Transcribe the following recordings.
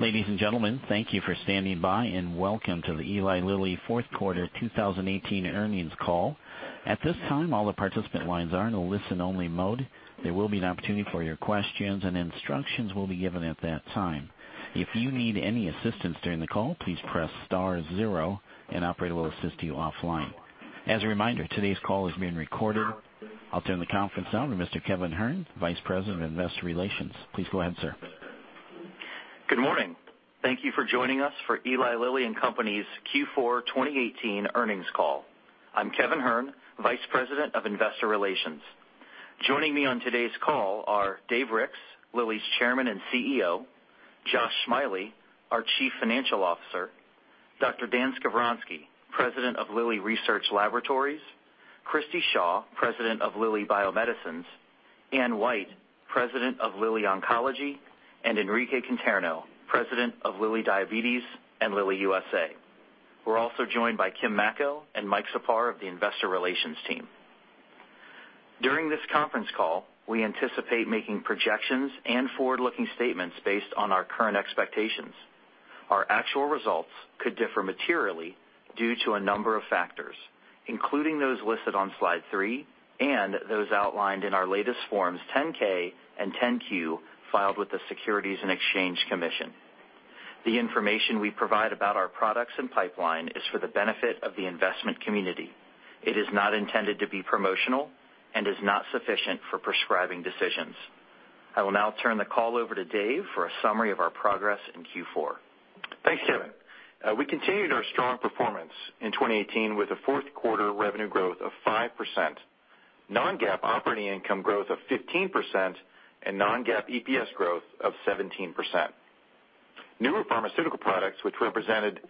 Ladies and gentlemen, thank you for standing by, and welcome to the Eli Lilly fourth quarter 2018 earnings call. At this time, all the participant lines are in a listen-only mode. There will be an opportunity for your questions, and instructions will be given at that time. If you need any assistance during the call, please press star zero, and an operator will assist you offline. As a reminder, today's call is being recorded. I will turn the conference over to Mr. Kevin Hern, Vice President of Investor Relations. Please go ahead, sir. Good morning. Thank you for joining us for Eli Lilly and Company's Q4 2018 earnings call. I am Kevin Hern, Vice President of Investor Relations. Joining me on today's call are Dave Ricks, Lilly's Chairman and CEO, Josh Smiley, our Chief Financial Officer, Dr. Dan Skovronsky, President of Lilly Research Laboratories, Christi Shaw, President of Lilly Bio-Medicines, Anne White, President of Lilly Oncology, and Enrique Conterno, President of Lilly Diabetes and Lilly USA. We are also joined by Kim Macko and Mike Czapar of the Investor Relations team. During this conference call, we anticipate making projections and forward-looking statements based on our current expectations. Our actual results could differ materially due to a number of factors, including those listed on slide three and those outlined in our latest forms 10-K and 10-Q filed with the Securities and Exchange Commission. The information we provide about our products and pipeline is for the benefit of the investment community. It is not intended to be promotional and is not sufficient for prescribing decisions. I will now turn the call over to Dave for a summary of our progress in Q4. Thanks, Kevin. We continued our strong performance in 2018 with a fourth quarter revenue growth of 5%, non-GAAP operating income growth of 15%, and non-GAAP EPS growth of 17%. Newer pharmaceutical products, which represented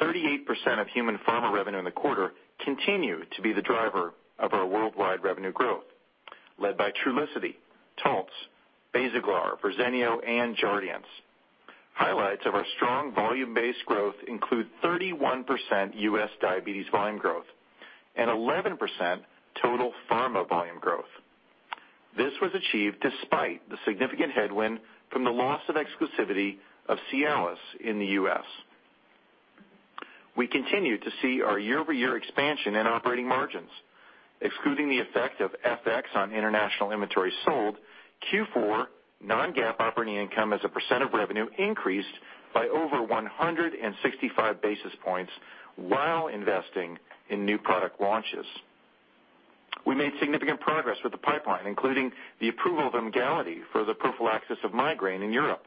38% of human pharma revenue in the quarter, continue to be the driver of our worldwide revenue growth, led by Trulicity, Taltz, Basaglar, Verzenio, and Jardiance. Highlights of our strong volume-based growth include 31% U.S. diabetes volume growth and 11% total pharma volume growth. This was achieved despite the significant headwind from the loss of exclusivity of Cialis in the U.S. We continue to see our year-over-year expansion in operating margins. Excluding the effect of FX on international inventory sold, Q4 non-GAAP operating income as a percent of revenue increased by over 165 basis points while investing in new product launches. We made significant progress with the pipeline, including the approval of Emgality for the prophylaxis of migraine in Europe,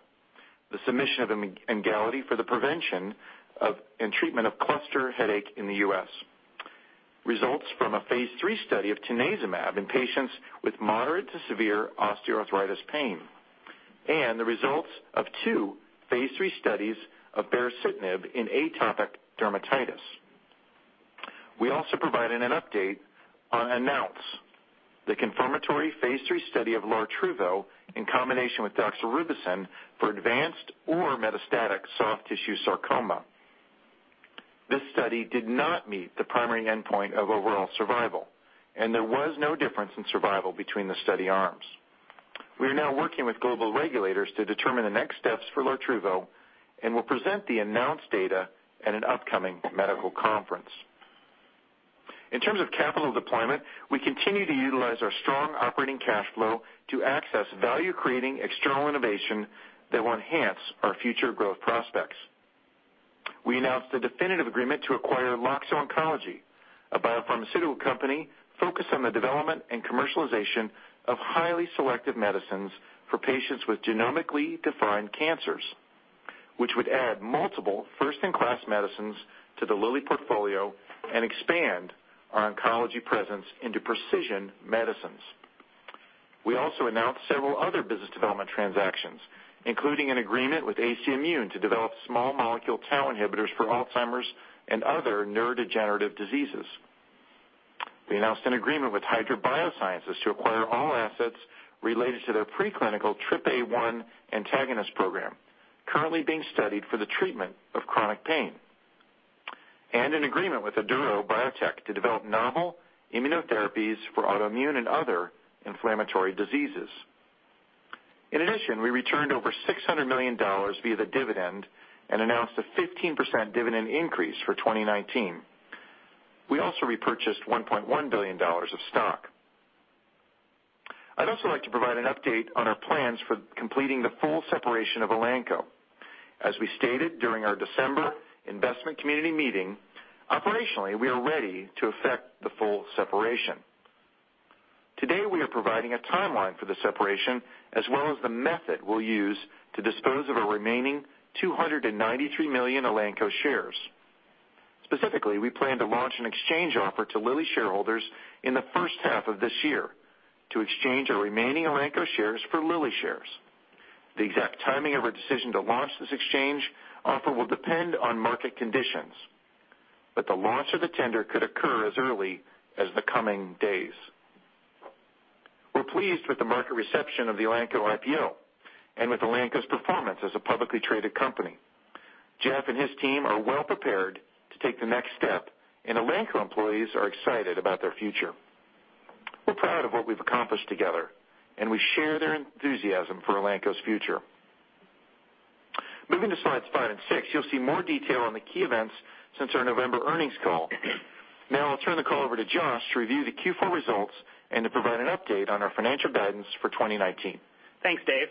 the submission of Emgality for the prevention and treatment of cluster headache in the U.S., results from a phase III study of tanezumab in patients with moderate to severe osteoarthritis pain, and the results of two phase III studies of baricitinib in atopic dermatitis. We also provided an update on ANNOUNCE, the confirmatory phase III study of Lartruvo in combination with doxorubicin for advanced or metastatic soft tissue sarcoma. This study did not meet the primary endpoint of overall survival, and there was no difference in survival between the study arms. We are now working with global regulators to determine the next steps for Lartruvo and will present the ANNOUNCE data at an upcoming medical conference. In terms of capital deployment, we continue to utilize our strong operating cash flow to access value-creating external innovation that will enhance our future growth prospects. We announced a definitive agreement to acquire Loxo Oncology, a biopharmaceutical company focused on the development and commercialization of highly selective medicines for patients with genomically defined cancers, which would add multiple first-in-class medicines to the Lilly portfolio and expand our oncology presence into precision medicines. We also announced several other business development transactions, including an agreement with AC Immune to develop small molecule tau inhibitors for Alzheimer's and other neurodegenerative diseases. We announced an agreement with Hydra Biosciences to acquire all assets related to their preclinical TRPA1 antagonist program, currently being studied for the treatment of chronic pain, and an agreement with Aduro Biotech to develop novel immunotherapies for autoimmune and other inflammatory diseases. In addition, we returned over $600 million via the dividend and announced a 15% dividend increase for 2019. We also repurchased $1.1 billion of stock. I'd also like to provide an update on our plans for completing the full separation of Elanco. As we stated during our December investment community meeting, operationally, we are ready to effect the full separation. Today, we are providing a timeline for the separation as well as the method we'll use to dispose of our remaining 293 million Elanco shares. Specifically, we plan to launch an exchange offer to Lilly shareholders in the first half of this year to exchange our remaining Elanco shares for Lilly shares. The exact timing of our decision to launch this exchange offer will depend on market conditions. The launch of the tender could occur as early as the coming days. We're pleased with the market reception of the Elanco IPO and with Elanco's performance as a publicly traded company. Jeff and his team are well-prepared to take the next step, and Elanco employees are excited about their future. We're proud of what we've accomplished together, and we share their enthusiasm for Elanco's future. Moving to slides five and six, you'll see more detail on the key events since our November earnings call. Now I'll turn the call over to Josh to review the Q4 results and to provide an update on our financial guidance for 2019. Thanks, Dave.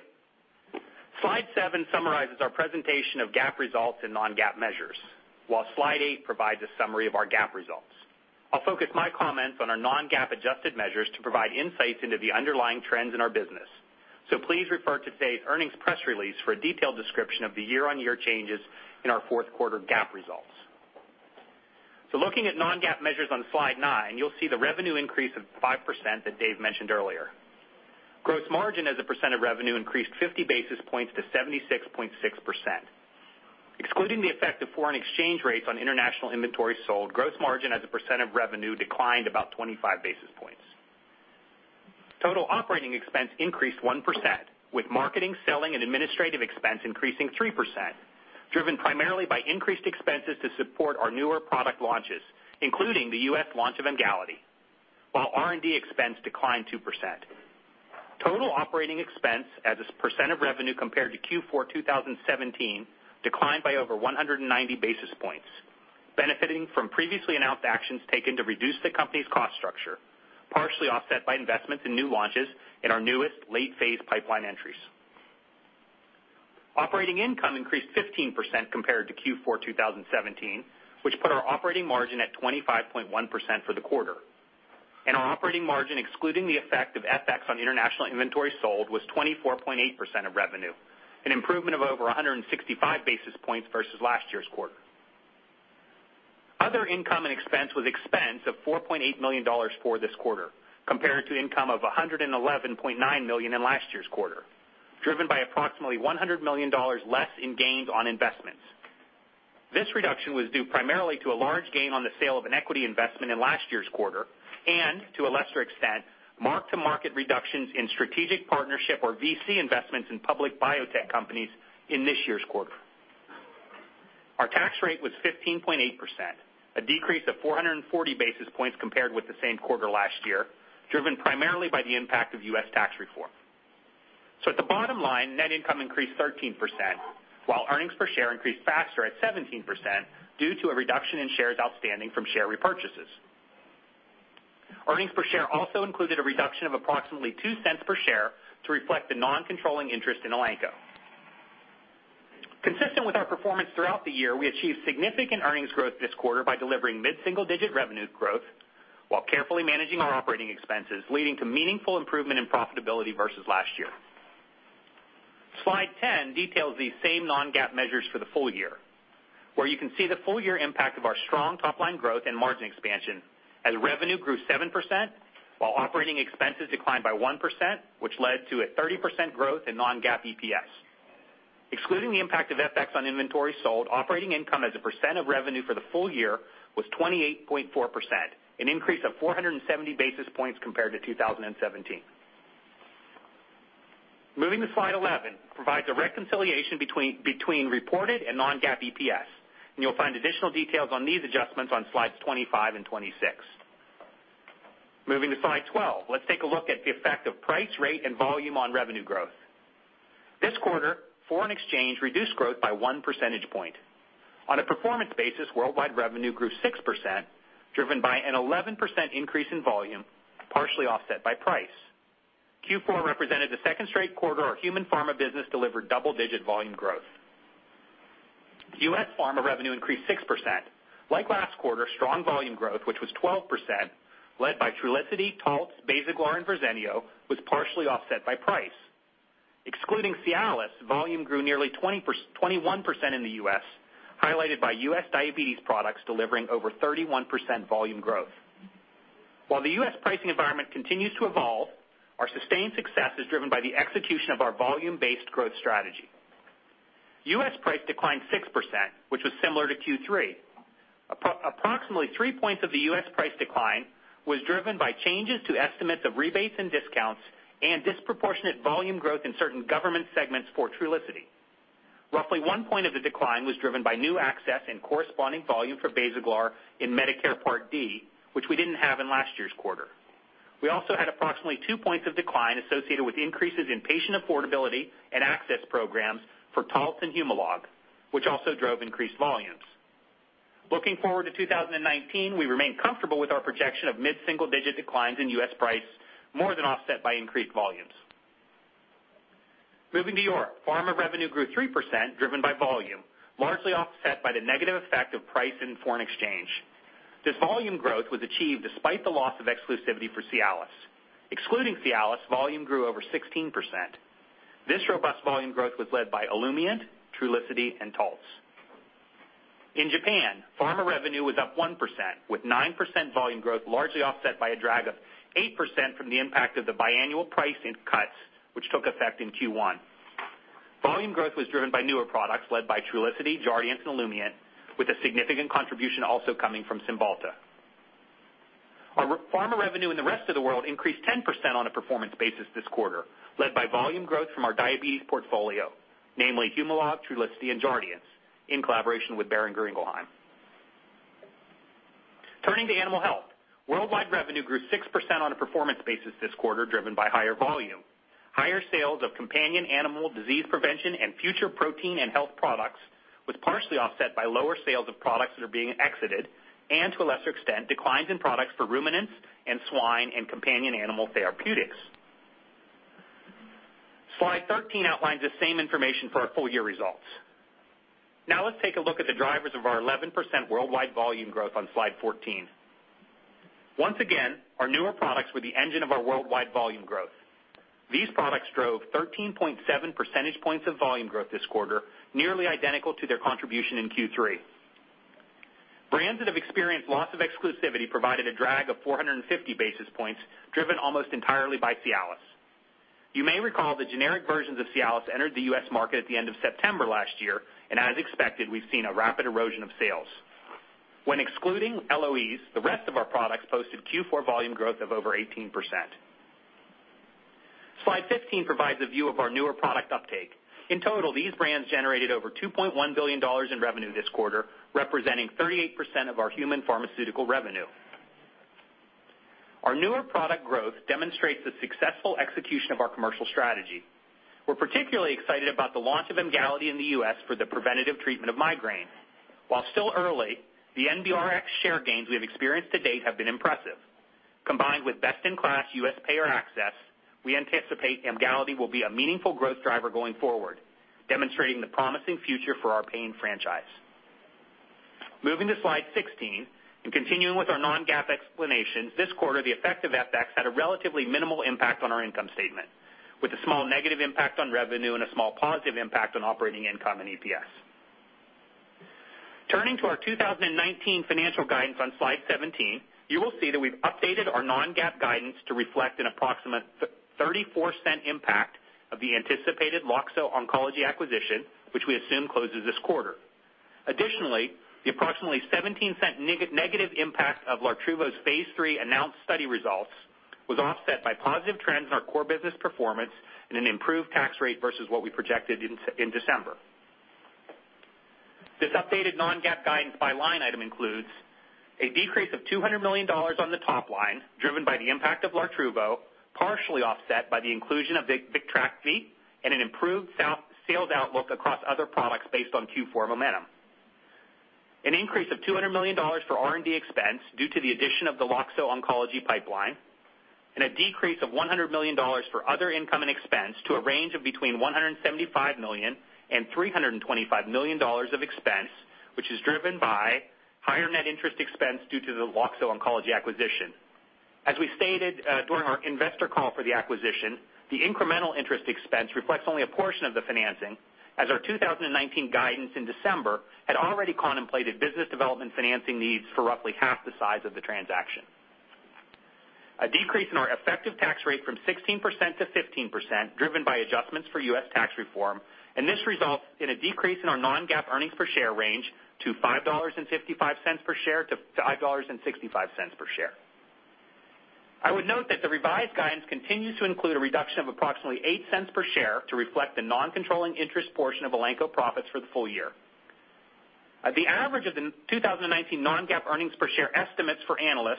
Slide seven summarizes our presentation of GAAP results and non-GAAP measures, while slide eight provides a summary of our GAAP results. I'll focus my comments on our non-GAAP adjusted measures to provide insights into the underlying trends in our business. Please refer to today's earnings press release for a detailed description of the year-on-year changes in our fourth quarter GAAP results. Looking at non-GAAP measures on slide nine, you'll see the revenue increase of 5% that Dave mentioned earlier. Gross margin as a percent of revenue increased 50 basis points to 76.6%. Excluding the effect of foreign exchange rates on international inventory sold, gross margin as a percent of revenue declined about 25 basis points. Total operating expense increased 1%, with marketing, selling, and administrative expense increasing 3%, driven primarily by increased expenses to support our newer product launches, including the U.S. launch of Emgality, while R&D expense declined 2%. Total operating expense as a percent of revenue compared to Q4 2017 declined by over 190 basis points, benefiting from previously announced actions taken to reduce the company's cost structure, partially offset by investments in new launches in our newest late-phase pipeline entries. Operating income increased 15% compared to Q4 2017, which put our operating margin at 25.1% for the quarter. Our operating margin, excluding the effect of FX on international inventory sold, was 24.8% of revenue, an improvement of over 165 basis points versus last year's quarter. Other income and expense was expense of $4.8 million for this quarter, compared to income of $111.9 million in last year's quarter, driven by approximately $100 million less in gains on investments. This reduction was due primarily to a large gain on the sale of an equity investment in last year's quarter and, to a lesser extent, mark-to-market reductions in strategic partnership or VC investments in public biotech companies in this year's quarter. Our tax rate was 15.8%, a decrease of 440 basis points compared with the same quarter last year, driven primarily by the impact of U.S. tax reform. At the bottom line, net income increased 13%, while earnings per share increased faster at 17% due to a reduction in shares outstanding from share repurchases. Earnings per share also included a reduction of approximately $0.02 per share to reflect the non-controlling interest in Elanco. Consistent with our performance throughout the year, we achieved significant earnings growth this quarter by delivering mid-single-digit revenue growth while carefully managing our operating expenses, leading to meaningful improvement in profitability versus last year. Slide 10 details these same non-GAAP measures for the full year, where you can see the full-year impact of our strong top-line growth and margin expansion as revenue grew 7%, while operating expenses declined by 1%, which led to a 30% growth in non-GAAP EPS. Excluding the impact of FX on inventory sold, operating income as a percent of revenue for the full year was 28.4%, an increase of 470 basis points compared to 2017. Moving to slide 11, provides a reconciliation between reported and non-GAAP EPS, and you'll find additional details on these adjustments on slides 25 and 26. Moving to slide 12, let's take a look at the effect of price, rate, and volume on revenue growth. This quarter, foreign exchange reduced growth by one percentage point. On a performance basis, worldwide revenue grew 6%, driven by an 11% increase in volume, partially offset by price. Q4 represented the second straight quarter our human pharma business delivered double-digit volume growth. U.S. pharma revenue increased 6%. Like last quarter, strong volume growth, which was 12%, led by Trulicity, Taltz, Basaglar, and Verzenio, was partially offset by price. Excluding Cialis, volume grew nearly 21% in the U.S., highlighted by U.S. diabetes products delivering over 31% volume growth. While the U.S. pricing environment continues to evolve, our sustained success is driven by the execution of our volume-based growth strategy. U.S. price declined 6%, which was similar to Q3. Approximately three points of the U.S. price decline was driven by changes to estimates of rebates and discounts and disproportionate volume growth in certain government segments for Trulicity. Roughly one point of the decline was driven by new access and corresponding volume for Basaglar in Medicare Part D, which we didn't have in last year's quarter. We also had approximately two points of decline associated with increases in patient affordability and access programs for Taltz and Humalog, which also drove increased volumes. Looking forward to 2019, we remain comfortable with our projection of mid-single-digit declines in U.S. price, more than offset by increased volumes. Moving to Europe, pharma revenue grew 3%, driven by volume, largely offset by the negative effect of price and foreign exchange. This volume growth was achieved despite the loss of exclusivity for Cialis. Excluding Cialis, volume grew over 16%. This robust volume growth was led by Olumiant, Trulicity, and Taltz. In Japan, pharma revenue was up 1%, with 9% volume growth largely offset by a drag of 8% from the impact of the biannual pricing cuts, which took effect in Q1. Volume growth was driven by newer products led by Trulicity, Jardiance, and Olumiant with a significant contribution also coming from Cymbalta. Our pharma revenue in the rest of the world increased 10% on a performance basis this quarter, led by volume growth from our diabetes portfolio, namely Humalog, Trulicity, and Jardiance in collaboration with Boehringer Ingelheim. Turning to animal health, worldwide revenue grew 6% on a performance basis this quarter, driven by higher volume, higher sales of companion animal disease prevention, and future protein and health products, was partially offset by lower sales of products that are being exited, and to a lesser extent, declines in products for ruminants and swine and companion animal therapeutics. Slide 13 outlines the same information for our full-year results. Now let's take a look at the drivers of our 11% worldwide volume growth on slide 14. Once again, our newer products were the engine of our worldwide volume growth. These products drove 13.7 percentage points of volume growth this quarter, nearly identical to their contribution in Q3. Brands that have experienced loss of exclusivity provided a drag of 450 basis points, driven almost entirely by Cialis. You may recall that generic versions of Cialis entered the U.S. market at the end of September last year, and as expected, we've seen a rapid erosion of sales. When excluding LOEs, the rest of our products posted Q4 volume growth of over 18%. Slide 15 provides a view of our newer product uptake. In total, these brands generated over $2.1 billion in revenue this quarter, representing 38% of our human pharmaceutical revenue. Our newer product growth demonstrates the successful execution of our commercial strategy. We're particularly excited about the launch of Emgality in the U.S. for the preventative treatment of migraine. While still early, the NBRx share gains we have experienced to date have been impressive. Combined with best-in-class U.S. payer access, we anticipate Emgality will be a meaningful growth driver going forward, demonstrating the promising future for our pain franchise. Moving to slide 16 and continuing with our non-GAAP explanation, this quarter, the effect of FX had a relatively minimal impact on our income statement, with a small negative impact on revenue and a small positive impact on operating income and EPS. Turning to our 2019 financial guidance on slide 17, you will see that we've updated our non-GAAP guidance to reflect an approximate $0.34 impact of the anticipated Loxo Oncology acquisition, which we assume closes this quarter. Additionally, the approximately $0.17 negative impact of Lartruvo's phase III ANNOUNCE study results was offset by positive trends in our core business performance and an improved tax rate versus what we projected in December. This updated non-GAAP guidance by line item includes a decrease of $200 million on the top line, driven by the impact of Lartruvo, partially offset by the inclusion of Vitrakvi and an improved sales outlook across other products based on Q4 momentum. An increase of $200 million for R&D expense due to the addition of the Loxo Oncology pipeline, and a decrease of $100 million for other income and expense to a range of between $175 million and $325 million of expense, which is driven by higher net interest expense due to the Loxo Oncology acquisition. As we stated during our investor call for the acquisition, the incremental interest expense reflects only a portion of the financing, as our 2019 guidance in December had already contemplated business development financing needs for roughly half the size of the transaction. A decrease in our effective tax rate from 16%-15%, driven by adjustments for U.S. tax reform. This results in a decrease in our non-GAAP earnings per share range to $5.55-$5.65 per share. I would note that the revised guidance continues to include a reduction of approximately $0.08 per share to reflect the non-controlling interest portion of Elanco profits for the full year. The average of the 2019 non-GAAP earnings per share estimates for analysts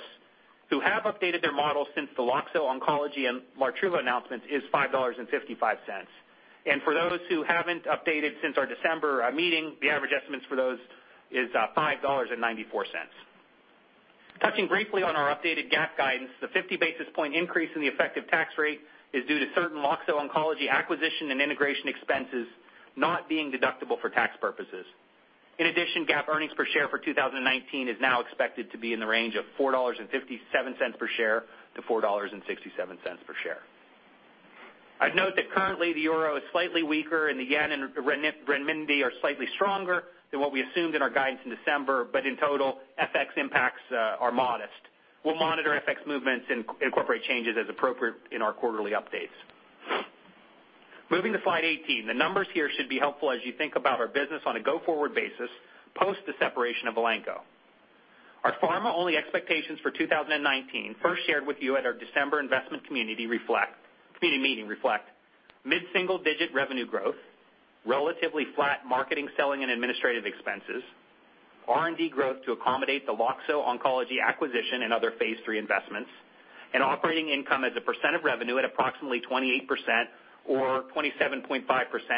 who have updated their models since the Loxo Oncology and Lartruvo announcements is $5.55. For those who haven't updated since our December meeting, the average estimates for those is $5.94. Touching briefly on our updated GAAP guidance, the 50-basis point increase in the effective tax rate is due to certain Loxo Oncology acquisition and integration expenses not being deductible for tax purposes. In addition, GAAP earnings per share for 2019 is now expected to be in the range of $4.57-$4.67 per share. I'd note that currently the euro is slightly weaker, and the yen and renminbi are slightly stronger than what we assumed in our guidance in December, but in total, FX impacts are modest. We'll monitor FX movements and incorporate changes as appropriate in our quarterly updates. Moving to slide 18, the numbers here should be helpful as you think about our business on a go-forward basis post the separation of Elanco. Our pharma-only expectations for 2019 first shared with you at our December investment community meeting reflect mid-single-digit revenue growth, relatively flat marketing, selling, and administrative expenses, R&D growth to accommodate the Loxo Oncology acquisition and other phase III investments, and operating income as a percent of revenue at approximately 28% or 27.5%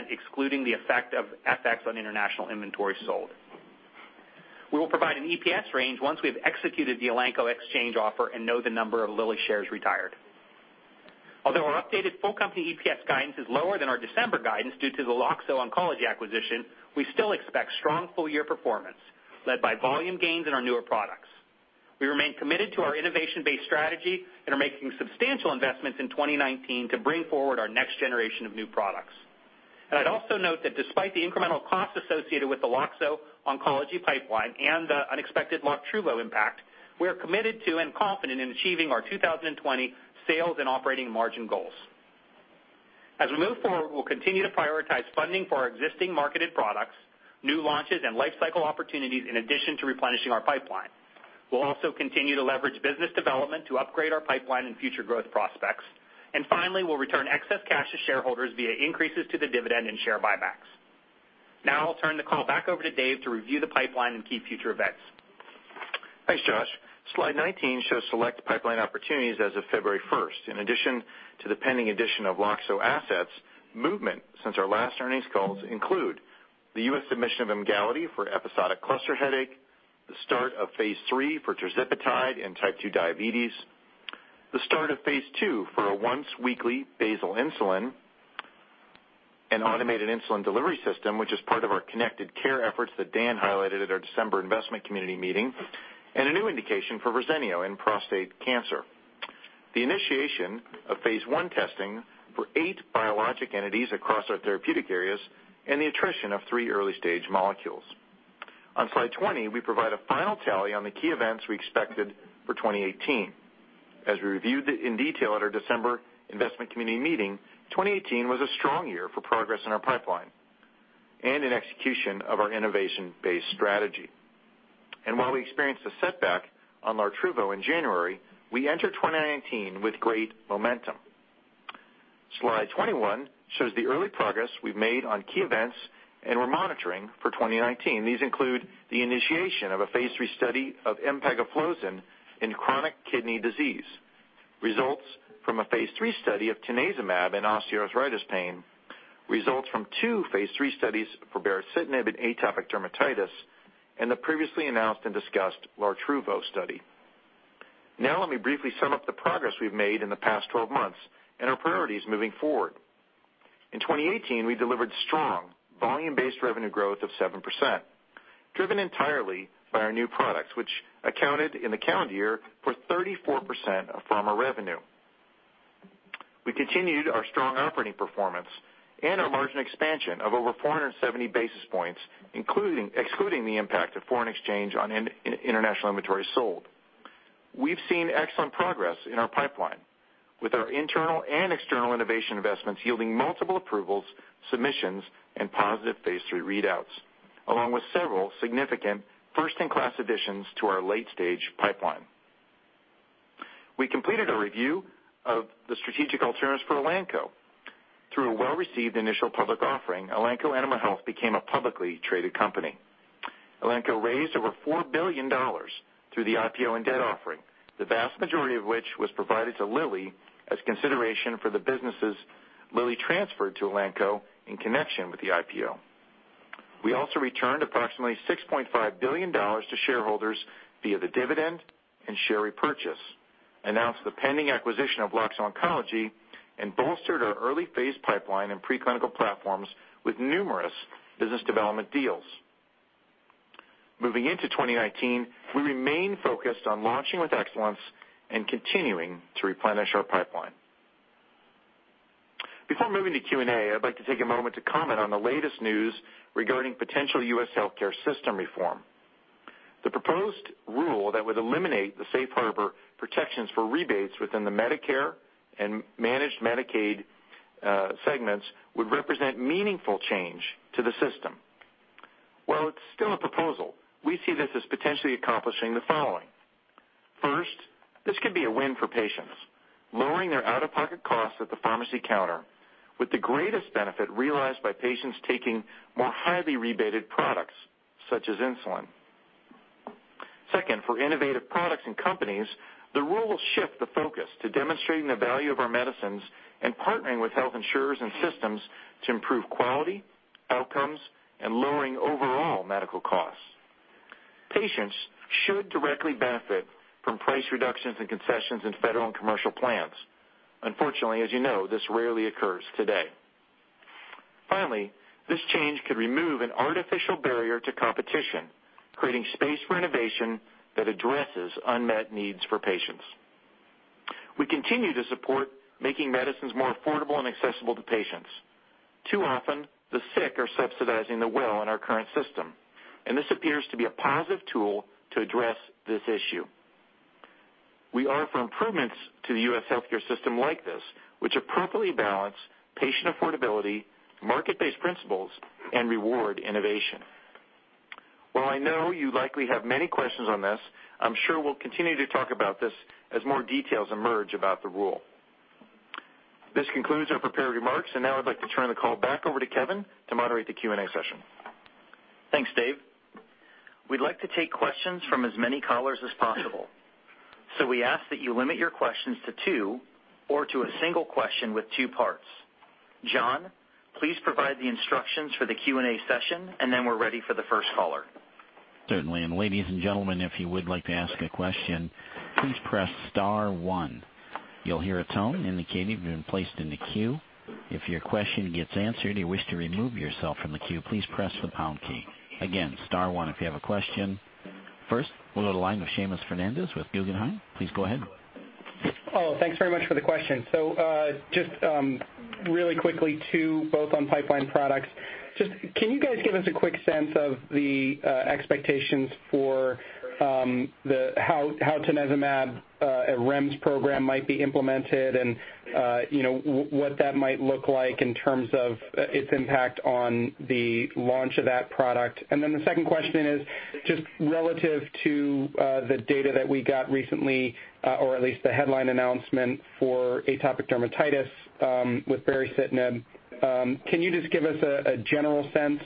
excluding the effect of FX on international inventory sold. We will provide an EPS range once we've executed the Elanco exchange offer and know the number of Lilly shares retired. Although our updated full company EPS guidance is lower than our December guidance due to the Loxo Oncology acquisition, we still expect strong full-year performance led by volume gains in our newer products. We remain committed to our innovation-based strategy and are making substantial investments in 2019 to bring forward our next generation of new products. I'd also note that despite the incremental cost associated with the Loxo Oncology pipeline and the unexpected Lartruvo impact. We are committed to and confident in achieving our 2020 sales and operating margin goals. As we move forward, we'll continue to prioritize funding for our existing marketed products, new launches, and life cycle opportunities, in addition to replenishing our pipeline. Finally, we'll return excess cash to shareholders via increases to the dividend and share buybacks. Now I'll turn the call back over to Dave to review the pipeline and key future events. Thanks, Josh. Slide 19 shows select pipeline opportunities as of February 1st. In addition to the pending addition of Loxo assets, movement since our last earnings calls include the U.S. submission of Emgality for episodic cluster headache, the start of phase III for tirzepatide in type 2 diabetes, the start of phase II for a once-weekly basal insulin, an automated insulin delivery system, which is part of our connected care efforts that Dan highlighted at our December investment community meeting, and a new indication for Verzenio in prostate cancer. The initiation of phase I testing for eight biologic entities across our therapeutic areas, and the attrition of three early-stage molecules. On slide 20, we provide a final tally on the key events we expected for 2018. As we reviewed it in detail at our December investment community meeting, 2018 was a strong year for progress in our pipeline and in execution of our innovation-based strategy. While we experienced a setback on Lartruvo in January, we enter 2019 with great momentum. Slide 21 shows the early progress we've made on key events, and we're monitoring for 2019. These include the initiation of a phase III study of empagliflozin in chronic kidney disease, results from a phase III study of tanezumab in osteoarthritis pain, results from two phase III studies for baricitinib in atopic dermatitis, and the previously announced and discussed Lartruvo study. Let me briefly sum up the progress we've made in the past 12 months and our priorities moving forward. In 2018, we delivered strong volume-based revenue growth of 7%, driven entirely by our new products, which accounted, in the calendar year, for 34% of pharma revenue. We continued our strong operating performance and our margin expansion of over 470 basis points, excluding the impact of foreign exchange on international inventory sold. We've seen excellent progress in our pipeline, with our internal and external innovation investments yielding multiple approvals, submissions, and positive phase III readouts, along with several significant first-in-class additions to our late-stage pipeline. We completed a review of the strategic alternatives for Elanco. Through a well-received initial public offering, Elanco Animal Health became a publicly traded company. Elanco raised over $4 billion through the IPO and debt offering, the vast majority of which was provided to Lilly as consideration for the businesses Lilly transferred to Elanco in connection with the IPO. We also returned approximately $6.5 billion to shareholders via the dividend and share repurchase, announced the pending acquisition of Loxo Oncology, and bolstered our early-phase pipeline and preclinical platforms with numerous business development deals. Moving in to 2019, we remain focused on launching with excellence and continuing to replenish our pipeline. I'd like to take a moment to comment on the latest news regarding potential U.S. healthcare system reform. The proposed rule that would eliminate the safe harbor protections for rebates within the Medicare and managed Medicaid segments would represent meaningful change to the system. While it's still a proposal, we see this as potentially accomplishing the following: First, this could be a win for patients, lowering their out-of-pocket costs at the pharmacy counter, with the greatest benefit realized by patients taking more highly rebated products, such as insulin. Second, for innovative products and companies, the rule will shift the focus to demonstrating the value of our medicines and partnering with health insurers and systems to improve quality, outcomes, and lowering overall medical costs. Patients should directly benefit from price reductions and concessions in federal and commercial plans. Unfortunately, as you know, this rarely occurs today. Finally, this change could remove an artificial barrier to competition, creating space for innovation that addresses unmet needs for patients. We continue to support making medicines more affordable and accessible to patients. Too often, the sick are subsidizing thewe ll in our current system, and this appears to be a positive tool to address this issue. We are for improvements to the U.S. healthcare system like this, which appropriately balance patient affordability, market-based principles, and reward innovation. While I know you likely have many questions on this, I'm sure we'll continue to talk about this as more details emerge about the rule. This concludes our prepared remarks, now I'd like to turn the call back over to Kevin to moderate the Q&A session. Thanks, Dave. We'd like to take questions from as many callers as possible. We ask that you limit your questions to two or to a single question with two parts. John, please provide the instructions for the Q&A session, we're ready for the first caller. Certainly. Ladies and gentlemen, if you would like to ask a question, please press star one. You'll hear a tone indicating you've been placed in the queue. If your question gets answered and you wish to remove yourself from the queue, please press the pound key. Again, star one if you have a question. First, we'll go to the line of Seamus Fernandez with Guggenheim. Please go ahead Thanks very much for the question. Just really quickly, two, both on pipeline products. Just can you guys give us a quick sense of the expectations for how tanezumab, a REMS program, might be implemented and what that might look like in terms of its impact on the launch of that product. The second question is just relative to the data that we got recently, or at least the headline announcement for atopic dermatitis, with baricitinib. Can you just give us a general sense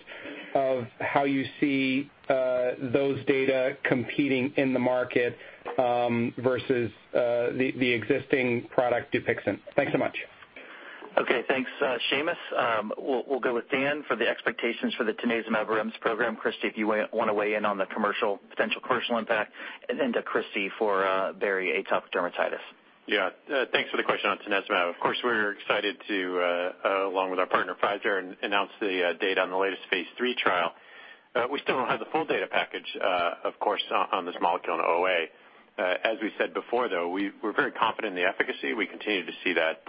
of how you see those data competing in the market versus the existing product, DUPIXENT? Thanks so much. Thanks, Seamus. We'll go with Dan for the expectations for the tanezumab REMS program. Christi, if you want to weigh in on the potential commercial impact, then to Christi for bari atopic dermatitis. Thanks for the question on tanezumab. Of course, we're excited to, along with our partner, Pfizer, announce the data on the latest phase III trial. We still don't have the full data package, of course, on this molecule in OA. As we said before, though, we're very confident in the efficacy. We continue to see that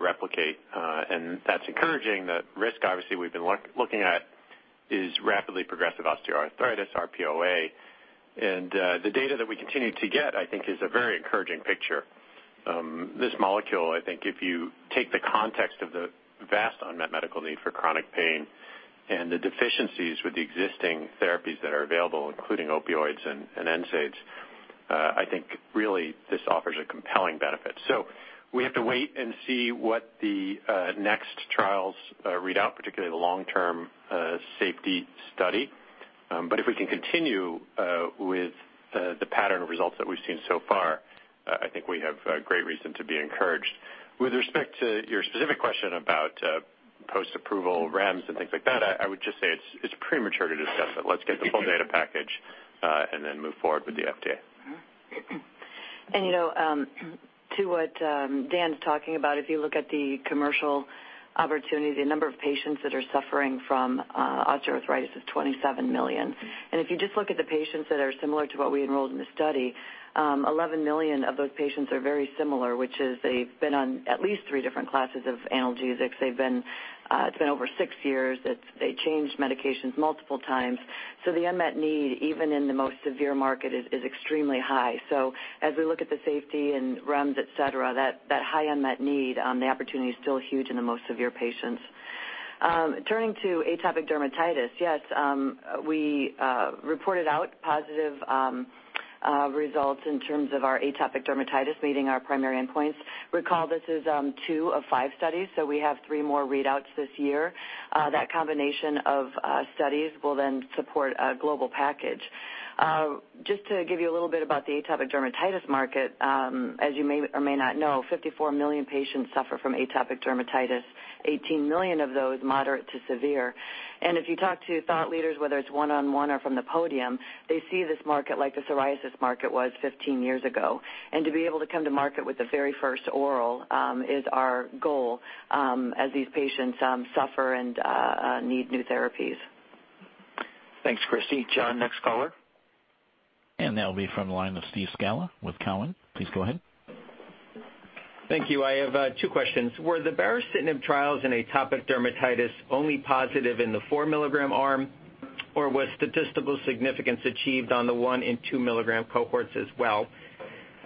replicate, and that's encouraging. The risk, obviously, we've been looking at is rapidly progressive osteoarthritis, RPOA. The data that we continue to get, I think, is a very encouraging picture. This molecule, I think if you take the context of the vast unmet medical need for chronic pain and the deficiencies with the existing therapies that are available, including opioids and NSAIDs, I think really this offers a compelling benefit. We have to wait and see what the next trials read out, particularly the long-term safety study. If we can continue with the pattern of results that we've seen so far, I think we have great reason to be encouraged. With respect to your specific question about post-approval REMS and things like that, I would just say it's premature to discuss it. Let's get the full data package, and then move forward with the FDA. To what Dan's talking about, if you look at the commercial opportunity, the number of patients that are suffering from osteoarthritis is 27 million. If you just look at the patients that are similar to what we enrolled in the study, 11 million of those patients are very similar, which is they've been on at least three different classes of analgesics. It's been over six years. They changed medications multiple times. The unmet need, even in the most severe market, is extremely high. As we look at the safety and REMS, et cetera, that high unmet need, the opportunity is still huge in the most severe patients. Turning to atopic dermatitis, yes, we reported out positive results in terms of our atopic dermatitis meeting our primary endpoints. Recall, this is two of five studies, so we have three more readouts this year. That combination of studies will support a global package. Just to give you a little bit about the atopic dermatitis market, as you may or may not know, 54 million patients suffer from atopic dermatitis, 18 million of those moderate to severe. If you talk to thought leaders, whether it's one-on-one or from the podium, they see this market like the psoriasis market was 15 years ago. To be able to come to market with the very first oral is our goal as these patients suffer and need new therapies. Thanks, Christi. John, next caller? That will be from the line with Steve Scala with Cowen. Please go ahead. Thank you. I have two questions. Were the baricitinib trials in atopic dermatitis only positive in the 4 mg arm, or was statistical significance achieved on the one and 2 mg cohorts as well?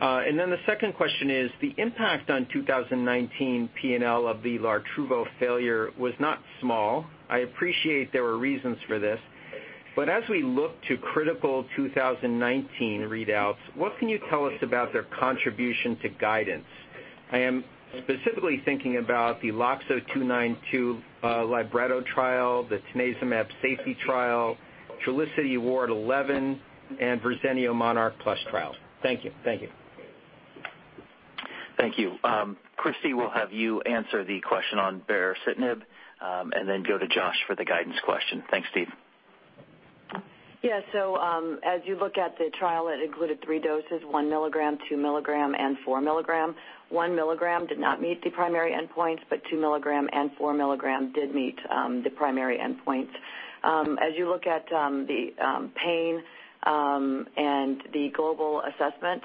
The second question is the impact on 2019 P&L of the Lartruvo failure was not small. I appreciate there were reasons for this, as we look to critical 2019 readouts, what can you tell us about their contribution to guidance? I am specifically thinking about the LOXO-292 LIBRETTO trial, the tanezumab safety trial, Trulicity AWARD-11, and Verzenio MONARCH plus trial. Thank you. Thank you. Christi, we'll have you answer the question on baricitinib, and then go to Josh for the guidance question. Thanks, Steve. Yeah. As you look at the trial, it included three doses, 1 mg, 2 mg, and 4 mg. One milligram did not meet the primary endpoints, but 2 mg and 4 mg did meet the primary endpoints. As you look at the pain and the global assessment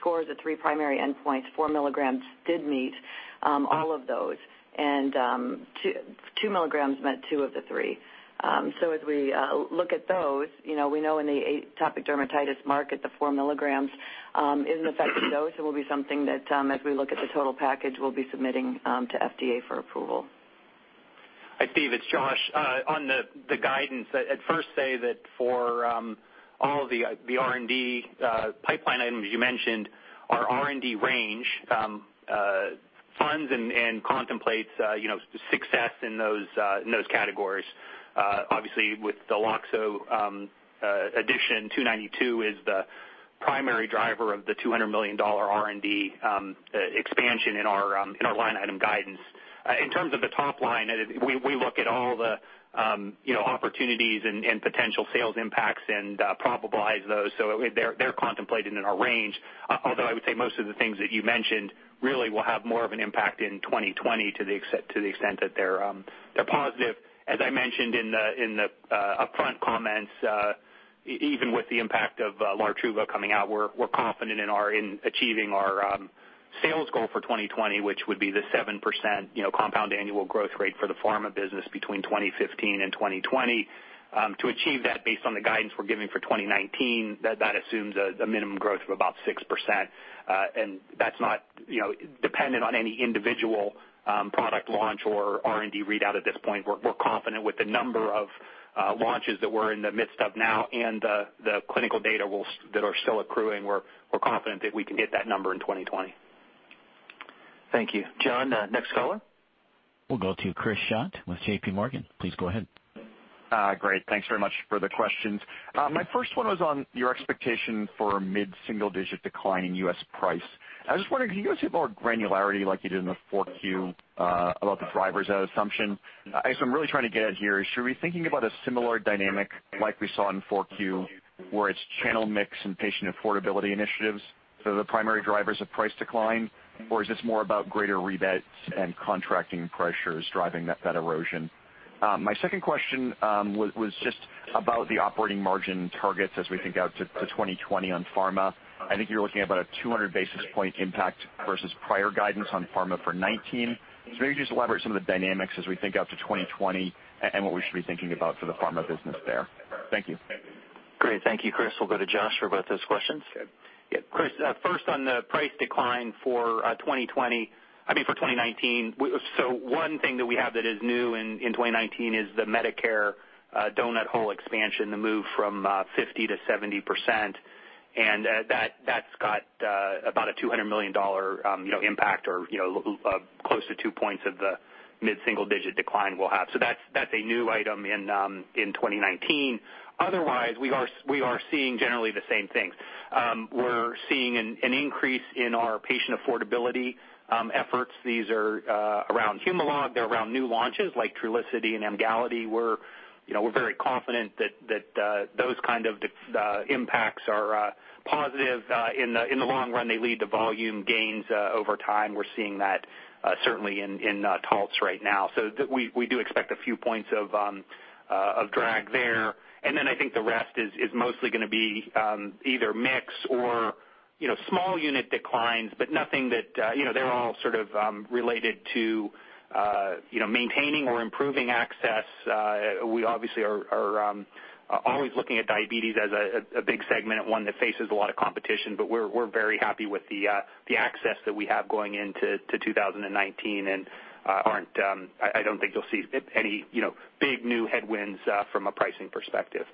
scores, the three primary endpoints, 4 mg did meet all of those, and 2 mg met two of the three. As we look at those, we know in the atopic dermatitis market, the 4 mg is an effective dose. It will be something that as we look at the total package, we'll be submitting to FDA for approval. Hi, Steve, it's Josh. On the guidance, I'd first say that for all of the R&D pipeline items you mentioned, our R&D range funds and contemplates success in those categories. Obviously, with the LOXO-292 is the primary driver of the $200 million R&D expansion in our line item guidance. In terms of the top line, we look at all the opportunities and potential sales impacts and probabilize those. They're contemplated in our range. I would say most of the things that you mentioned really will have more of an impact in 2020 to the extent that they're positive. As I mentioned in the upfront comments, even with the impact of Lartruvo coming out, we're confident in achieving our sales goal for 2020, which would be the 7% compound annual growth rate for the pharma business between 2015 and 2020. To achieve that based on the guidance we're giving for 2019, that assumes a minimum growth of about 6%. That's not dependent on any individual product launch or R&D readout at this point. We're confident with the number of launches that we're in the midst of now and the clinical data that are still accruing. We're confident that we can hit that number in 2020. Thank you. John, next caller. We'll go to Chris Schott with JPMorgan. Please go ahead. Great. Thanks very much for the questions. My first one was on your expectation for a mid-single-digit decline in U.S. price. I was just wondering, can you guys give a little granularity like you did in the 4Q about the drivers of that assumption? I guess what I'm really trying to get at here is, should we be thinking about a similar dynamic like we saw in 4Q, where it's channel mix and patient affordability initiatives, so the primary drivers of price decline? Or is this more about greater rebates and contracting pressures driving that erosion? My second question was just about the operating margin targets as we think out to 2020 on pharma. I think you're looking at about a 200 basis point impact versus prior guidance on pharma for 2019. Maybe just elaborate some of the dynamics as we think out to 2020 and what we should be thinking about for the pharma business there? Thank you. Great. Thank you, Chris. We'll go to Josh for both those questions. Chris, first on the price decline for 2019. One thing that we have that is new in 2019 is the Medicare doughnut hole expansion, the move from 50%-70%. That's got about a $200 million impact or close to 2 points of the mid-single-digit decline we'll have. That's a new item in 2019. Otherwise, we are seeing generally the same things. We're seeing an increase in our patient affordability efforts. These are around Humalog. They're around new launches like Trulicity and Emgality. We're very confident that those kind of impacts are positive. In the long run, they lead to volume gains over time. We're seeing that certainly in 12s right now. We do expect a few points of drag there. I think the rest is mostly going to be either mix or small unit declines, but they're all sort of related to maintaining or improving access. We obviously are always looking at diabetes as a big segment and one that faces a lot of competition, but we're very happy with the access that we have going into 2019 and I don't think you'll see any big new headwinds from a pricing perspective.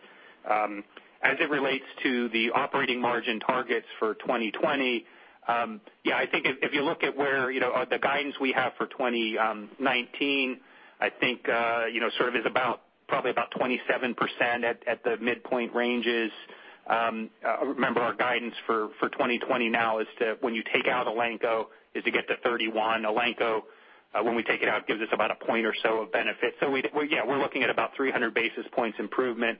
As it relates to the operating margin targets for 2020, I think if you look at where the guidance we have for 2019, I think sort of is probably about 27% at the midpoint ranges. Remember our guidance for 2020 now is to, when you take out Elanco, is to get to 31%. Elanco, when we take it out, gives us about 1 point or so of benefit. We're looking at about 300 basis points improvement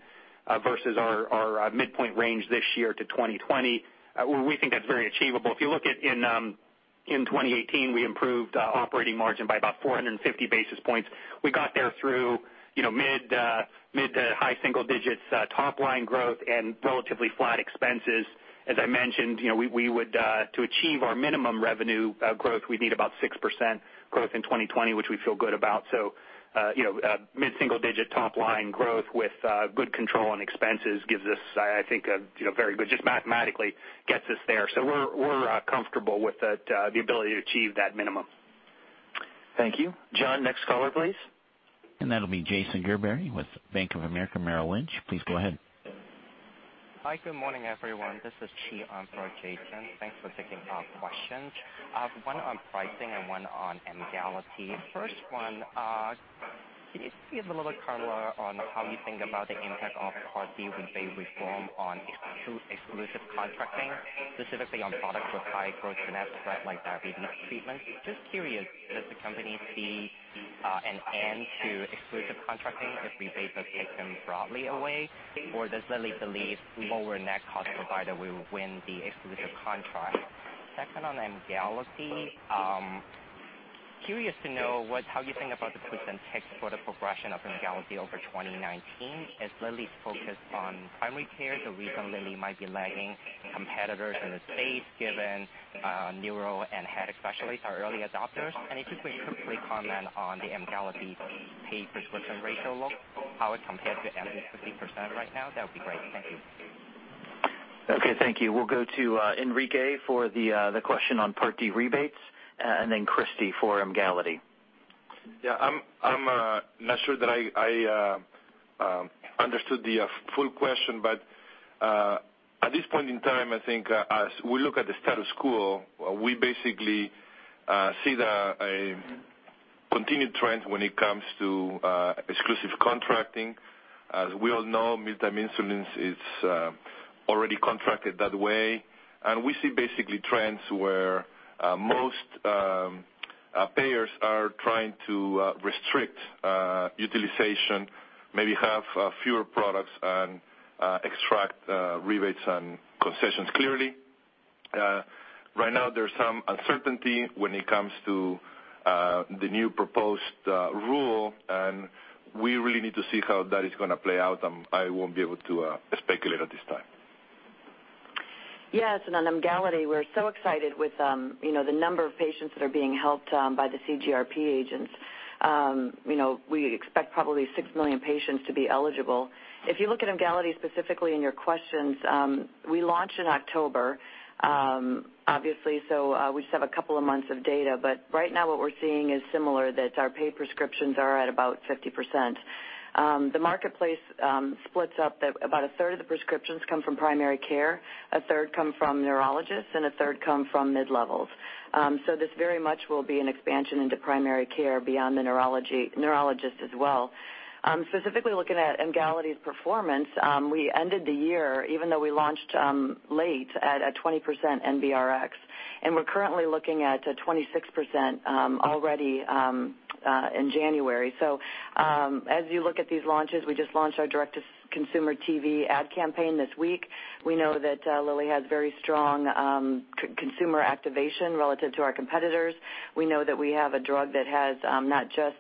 versus our midpoint range this year to 2020. We think that's very achievable. If you look at in 2018, we improved operating margin by about 450 basis points. We got there through mid to high single digits top line growth and relatively flat expenses. As I mentioned, to achieve our minimum revenue growth, we'd need about 6% growth in 2020, which we feel good about. Mid-single-digit top-line growth with good control on expenses gives us, I think, just mathematically gets us there. We're comfortable with the ability to achieve that minimum. Thank you. John, next caller, please. That'll be Jason Gerberry with Bank of America Merrill Lynch. Please go ahead. Hi, good morning, everyone. This is Chi on for Jason. Thanks for taking our questions. I have one on pricing and one on Emgality. First one, can you just give a little color on how you think about the impact of Part D rebate reform on exclusive contracting, specifically on products with high gross net like diabetes treatments? Just curious, does the company see an end to exclusive contracting if rebates are taken broadly away, or does Lilly believe lower net cost provider will win the exclusive contract? Second on Emgality. Curious to know how you think about the prescription text for the progression of Emgality over 2019. Is Lilly focused on primary care, the reason Lilly might be lagging competitors in the space given neuro and head specialists are early adopters? If you could briefly comment on the Emgality paid prescription ratio look, how it compares to 50% right now, that would be great. Thank you. Okay, thank you. We'll go to Enrique for the question on Part D rebates, and then Christi for Emgality. Yeah, I'm not sure that I understood the full question, but at this point in time, I think as we look at the status quo, we basically see the continued trend when it comes to exclusive contracting. As we all know, [modern insulins] is already contracted that way. We see basically trends where most payers are trying to restrict utilization, maybe have fewer products, and extract rebates and concessions clearly. Right now, there's some uncertainty when it comes to the new proposed rule, and we really need to see how that is going to play out, and I won't be able to speculate at this time. Yes, on Emgality, we're so excited with the number of patients that are being helped by the CGRP agents. We expect probably 6 million patients to be eligible. If you look at Emgality specifically in your questions, we launched in October. Obviously, we just have a couple of months of data, but right now what we're seeing is similar, that our paid prescriptions are at about 50%. The marketplace splits up that about a third of the prescriptions come from primary care, a third come from neurologists, and a third come from mid-levels. This very much will be an expansion into primary care beyond the neurologists as well. Specifically looking at Emgality's performance, we ended the year, even though we launched late, at a 20% NBRx, and we're currently looking at a 26% already in January. As you look at these launches, we just launched our direct-to-consumer TV ad campaign this week. We know that Lilly has very strong consumer activation relative to our competitors. We know that we have a drug that has not just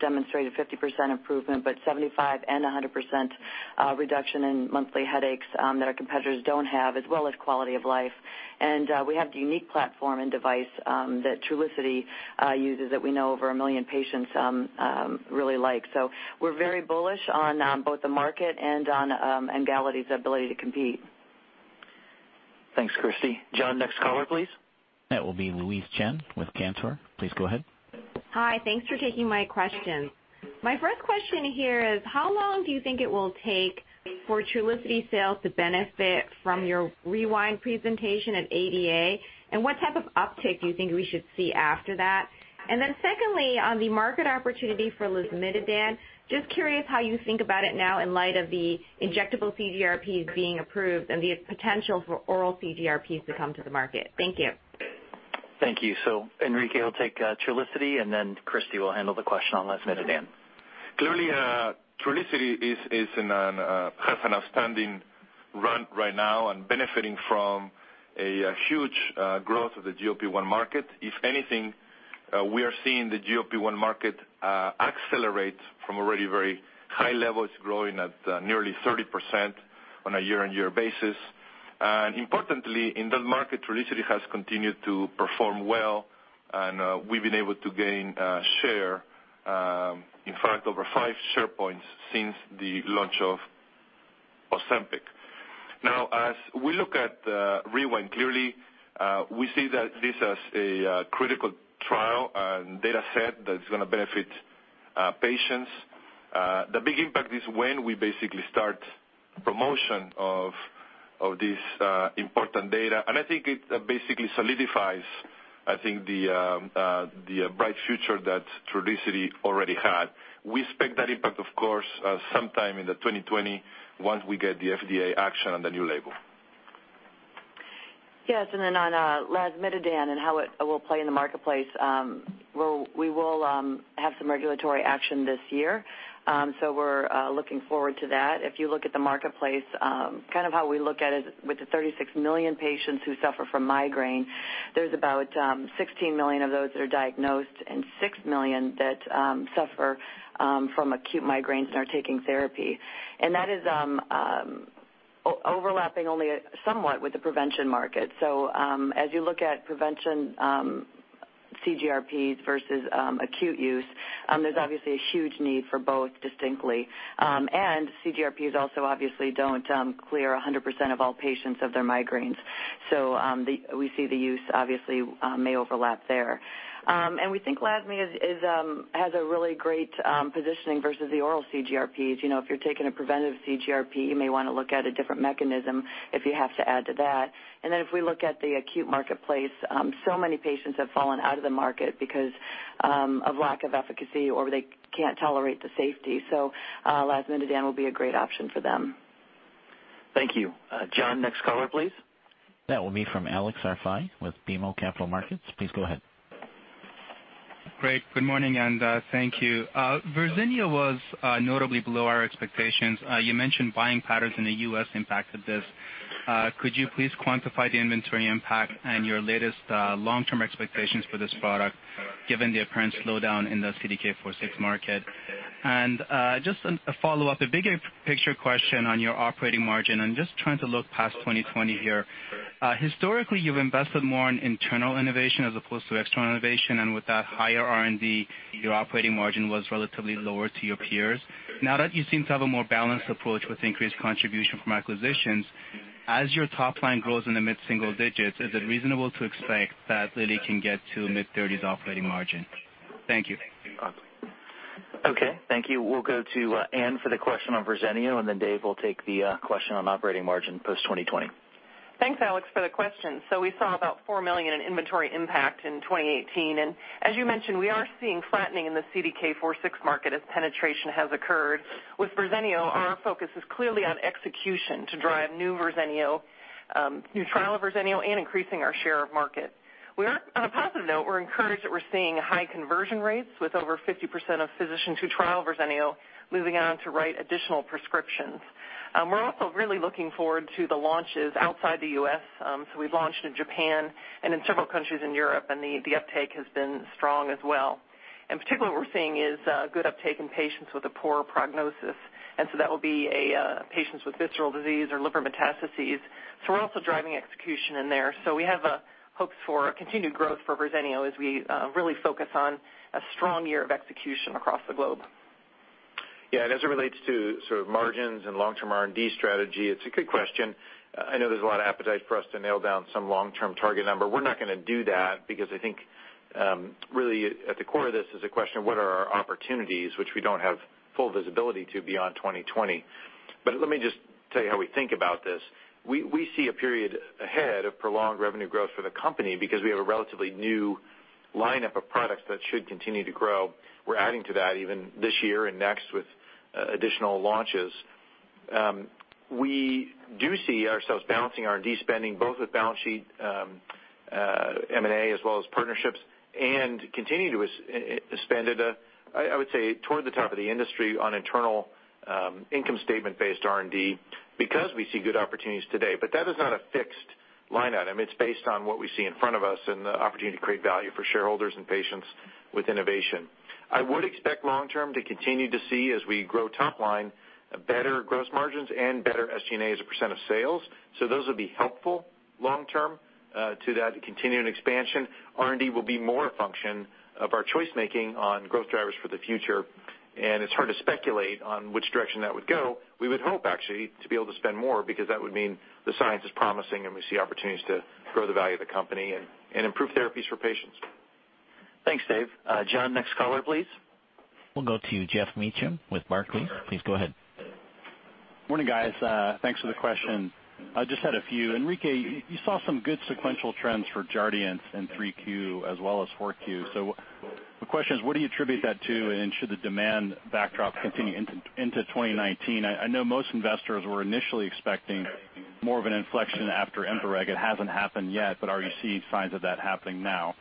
demonstrated 50% improvement, but 75% and 100% reduction in monthly headaches that our competitors don't have, as well as quality of life. We have the unique platform and device that Trulicity uses that we know over a million patients really like. We're very bullish on both the market and on Emgality's ability to compete. Thanks, Christi. John, next caller, please. That will be Louise Chen with Cantor. Please go ahead. Hi. Thanks for taking my questions. My first question here is, how long do you think it will take for Trulicity sales to benefit from your REWIND presentation at ADA? What type of uptick do you think we should see after that? Secondly, on the market opportunity for lasmiditan, just curious how you think about it now in light of the injectable CGRPs being approved and the potential for oral CGRPs to come to the market. Thank you. Thank you. Enrique will take Trulicity, and then Christi will handle the question on lasmiditan. Clearly, Trulicity has an outstanding run right now and benefiting from a huge growth of the GLP-1 market. If anything, we are seeing the GLP-1 market accelerate from already very high levels, growing at nearly 30% on a year-over-year basis. Importantly, in that market, Trulicity has continued to perform well, and we've been able to gain share, in fact, over 5 share points since the launch of Ozempic. As we look at REWIND, clearly, we see that this as a critical trial and data set that's going to benefit patients. The big impact is when we basically start promotion of this important data, I think it basically solidifies, I think, the bright future that Trulicity already had. We expect that impact, of course, sometime in 2020 once we get the FDA action on the new label. Yes, on lasmiditan and how it will play in the marketplace, we will have some regulatory action this year. We're looking forward to that. If you look at the marketplace, kind of how we look at it, with the 36 million patients who suffer from migraine, there's about 16 million of those that are diagnosed and 6 million that suffer from acute migraines and are taking therapy. That is overlapping only somewhat with the prevention market. As you look at prevention CGRPs versus acute use, there's obviously a huge need for both distinctly. CGRPs also obviously don't clear 100% of all patients of their migraines. We see the use obviously may overlap there. We think lasmiditan has a really great positioning versus the oral CGRPs. If you're taking a preventative CGRP, you may want to look at a different mechanism if you have to add to that. If we look at the acute marketplace, so many patients have fallen out of the market because of lack of efficacy or they can't tolerate the safety. Lasmiditan will be a great option for them. Thank you. John, next caller, please. That will be from Alex Arfaei with BMO Capital Markets. Please go ahead. Great. Good morning. Thank you. Verzenio was notably below our expectations. You mentioned buying patterns in the U.S. impacted this. Could you please quantify the inventory impact and your latest long-term expectations for this product, given the apparent slowdown in the CDK4/6 market? Just a follow-up, a bigger picture question on your operating margin, I'm just trying to look past 2020 here. Historically, you've invested more in internal innovation as opposed to external innovation, and with that higher R&D, your operating margin was relatively lower to your peers. Now that you seem to have a more balanced approach with increased contribution from acquisitions, as your top line grows in the mid-single digits, is it reasonable to expect that Lilly can get to mid-thirties operating margin? Thank you. Okay. Thank you. We'll go to Anne for the question on Verzenio. Then Dave will take the question on operating margin post-2020. Thanks, Alex, for the question. We saw about $4 million in inventory impact in 2018. As you mentioned, we are seeing flattening in the CDK4/6 market as penetration has occurred. With Verzenio, our focus is clearly on execution to drive new trial of Verzenio and increasing our share of market. On a positive note, we're encouraged that we're seeing high conversion rates with over 50% of physicians who trial Verzenio moving on to write additional prescriptions. We're also really looking forward to the launches outside the U.S. We've launched in Japan and in several countries in Europe. The uptake has been strong as well. In particular, what we're seeing is good uptake in patients with a poor prognosis. That will be patients with visceral disease or liver metastases. We're also driving execution in there. We have hopes for continued growth for Verzenio as we really focus on a strong year of execution across the globe. Yeah, as it relates to sort of margins and long-term R&D strategy, it's a good question. I know there's a lot of appetite for us to nail down some long-term target number. We're not going to do that because I think really at the core of this is a question of what are our opportunities, which we don't have full visibility to beyond 2020. Let me just tell you how we think about this. We see a period ahead of prolonged revenue growth for the company because we have a relatively new lineup of products that should continue to grow. We're adding to that even this year and next with additional launches. We do see ourselves balancing R&D spending both with balance sheet, M&A, as well as partnerships, and continue to spend at a, I would say, toward the top of the industry on internal income statement-based R&D because we see good opportunities today. That is not a fixed line item. It's based on what we see in front of us and the opportunity to create value for shareholders and patients with innovation. I would expect long term to continue to see as we grow top line, better gross margins and better SG&A as a percentage of sales. Those will be helpful long term to that continuing expansion. R&D will be more a function of our choice making on growth drivers for the future, and it's hard to speculate on which direction that would go. We would hope, actually, to be able to spend more because that would mean the science is promising, and we see opportunities to grow the value of the company and improve therapies for patients. Thanks, Dave. John, next caller, please. We'll go to Geoff Meacham with Barclays. Please go ahead. Morning, guys. Thanks for the question. I just had a few. Enrique, you saw some good sequential trends for Jardiance in 3Q as well as 4Q. The question is, what do you attribute that to, and should the demand backdrop continue into 2019? I know most investors were initially expecting more of an inflection after EMPA-REG OUTCOME. It hasn't happened yet, but are you seeing signs of that happening now?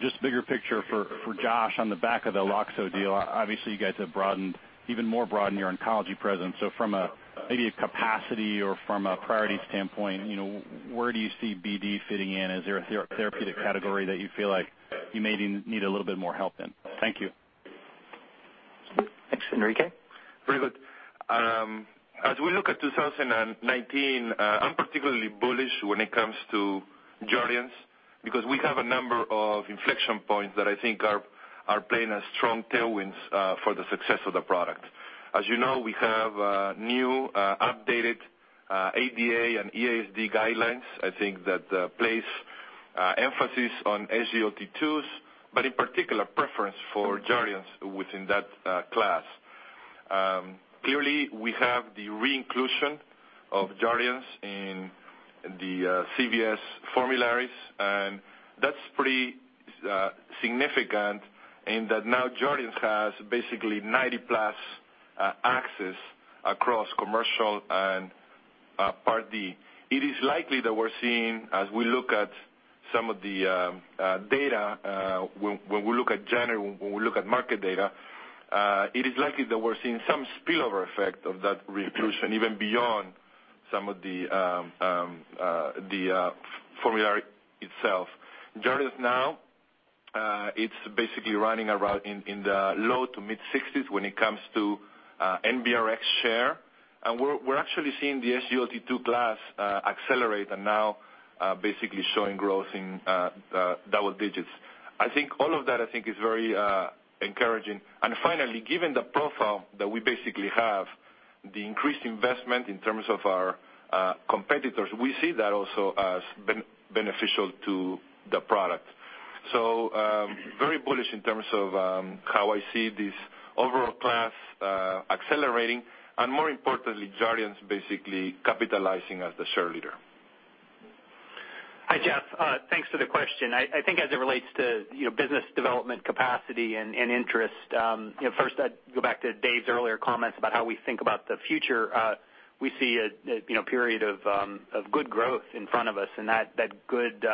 Just bigger picture for Josh, on the back of the Loxo deal, obviously, you guys have even more broadened your oncology presence. So from maybe a capacity or from a priority standpoint, where do you see BD fitting in? Is there a therapeutic category that you feel like you may need a little bit more help in? Thank you. Thanks, Enrique. Very good. As we look at 2019, I'm particularly bullish when it comes to Jardiance because we have a number of inflection points that I think are playing as strong tailwinds for the success of the product. As you know, we have new updated ADA and EASD guidelines, I think that place emphasis on SGLT2s, but in particular preference for Jardiance within that class. Clearly, we have the re-inclusion of Jardiance in the CVS formularies, and that's pretty significant in that now Jardiance has basically 90+ access across commercial and Part D. It is likely that we're seeing, as we look at some of the data, when we look at January, when we look at market data, it is likely that we're seeing some spillover effect of that re-inclusion, even beyond some of the formulary itself. Jardiance now, it's basically running around in the low to mid-60s when it comes to NBRx share. We're actually seeing the SGLT2 class accelerate and now basically showing growth in double digits. I think all of that, I think is very encouraging. Finally, given the profile that we basically have, the increased investment in terms of our competitors, we see that also as beneficial to the product. Very bullish in terms of how I see this overall class accelerating, and more importantly, Jardiance basically capitalizing as the share leader. Hi, Geoff. Thanks for the question. I think as it relates to business development capacity and interest, first I'd go back to Dave's earlier comments about how we think about the future. We see a period of good growth in front of us, and that good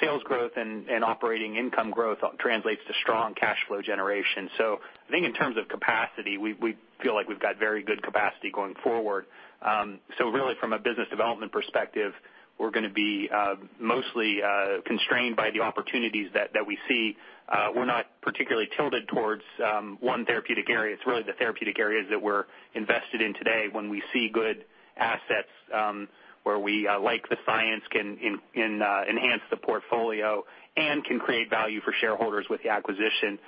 sales growth and operating income growth translates to strong cash flow generation. I think in terms of capacity, we feel like we've got very good capacity going forward. Really from a business development perspective, we're going to be mostly constrained by the opportunities that we see. We're not particularly tilted towards one therapeutic area. It's really the therapeutic areas that we're invested in today when we see good assets where we like the science, can enhance the portfolio, and can create value for shareholders with the acquisition.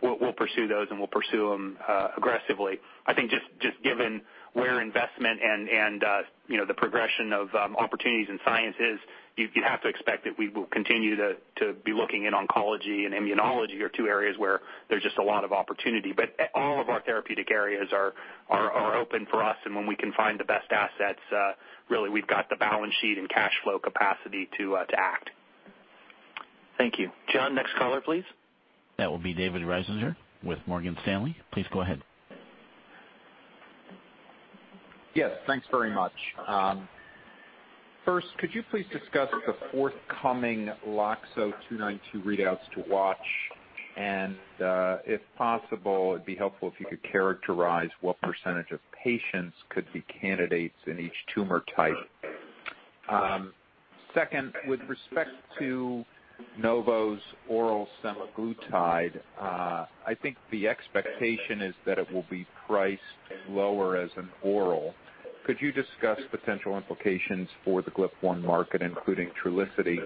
We'll pursue those, and we'll pursue them aggressively. I think just given where investment and the progression of opportunities in science is, you have to expect that we will continue to be looking in oncology and immunology are two areas where there's just a lot of opportunity. All of our therapeutic areas are open for us, and when we can find the best assets, really we've got the balance sheet and cash flow capacity to act. Thank you. John, next caller, please. That will be David Risinger with Morgan Stanley. Please go ahead. Yes, thanks very much. First, could you please discuss the forthcoming LOXO-292 readouts to watch? If possible, it'd be helpful if you could characterize what percentage of patients could be candidates in each tumor type. Second, with respect to Novo's oral semaglutide, I think the expectation is that it will be priced lower as an oral. Could you discuss potential implications for the GLP-1 market, including Trulicity?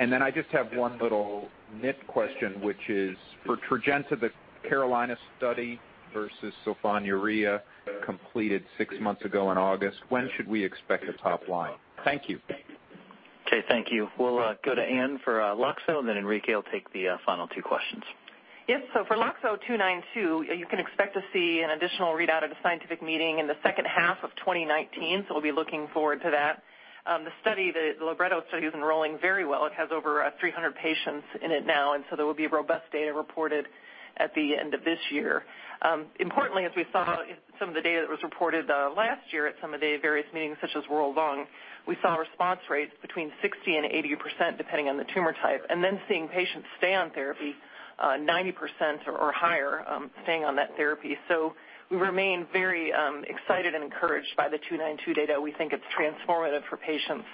I just have one little nit question, which is for Tradjenta, the CAROLINA study versus sulfonylurea completed six months ago in August. When should we expect a top line? Thank you. Okay, thank you. We'll go to Anne for LOXO. Enrique will take the final two questions. Yes, for LOXO-292, you can expect to see an additional readout at a scientific meeting in the second half of 2019. We'll be looking forward to that. The study, the LIBRETTO study, is enrolling very well. It has over 300 patients in it now, and there will be robust data reported at the end of this year. Importantly, as we saw in some of the data that was reported last year at some of the various meetings, such as World Lung, we saw response rates between 60% and 80%, depending on the tumor type, and then seeing patients stay on therapy, 90% or higher, staying on that therapy. We remain very excited and encouraged by the LOXO-292 data. We think it's transformative for patients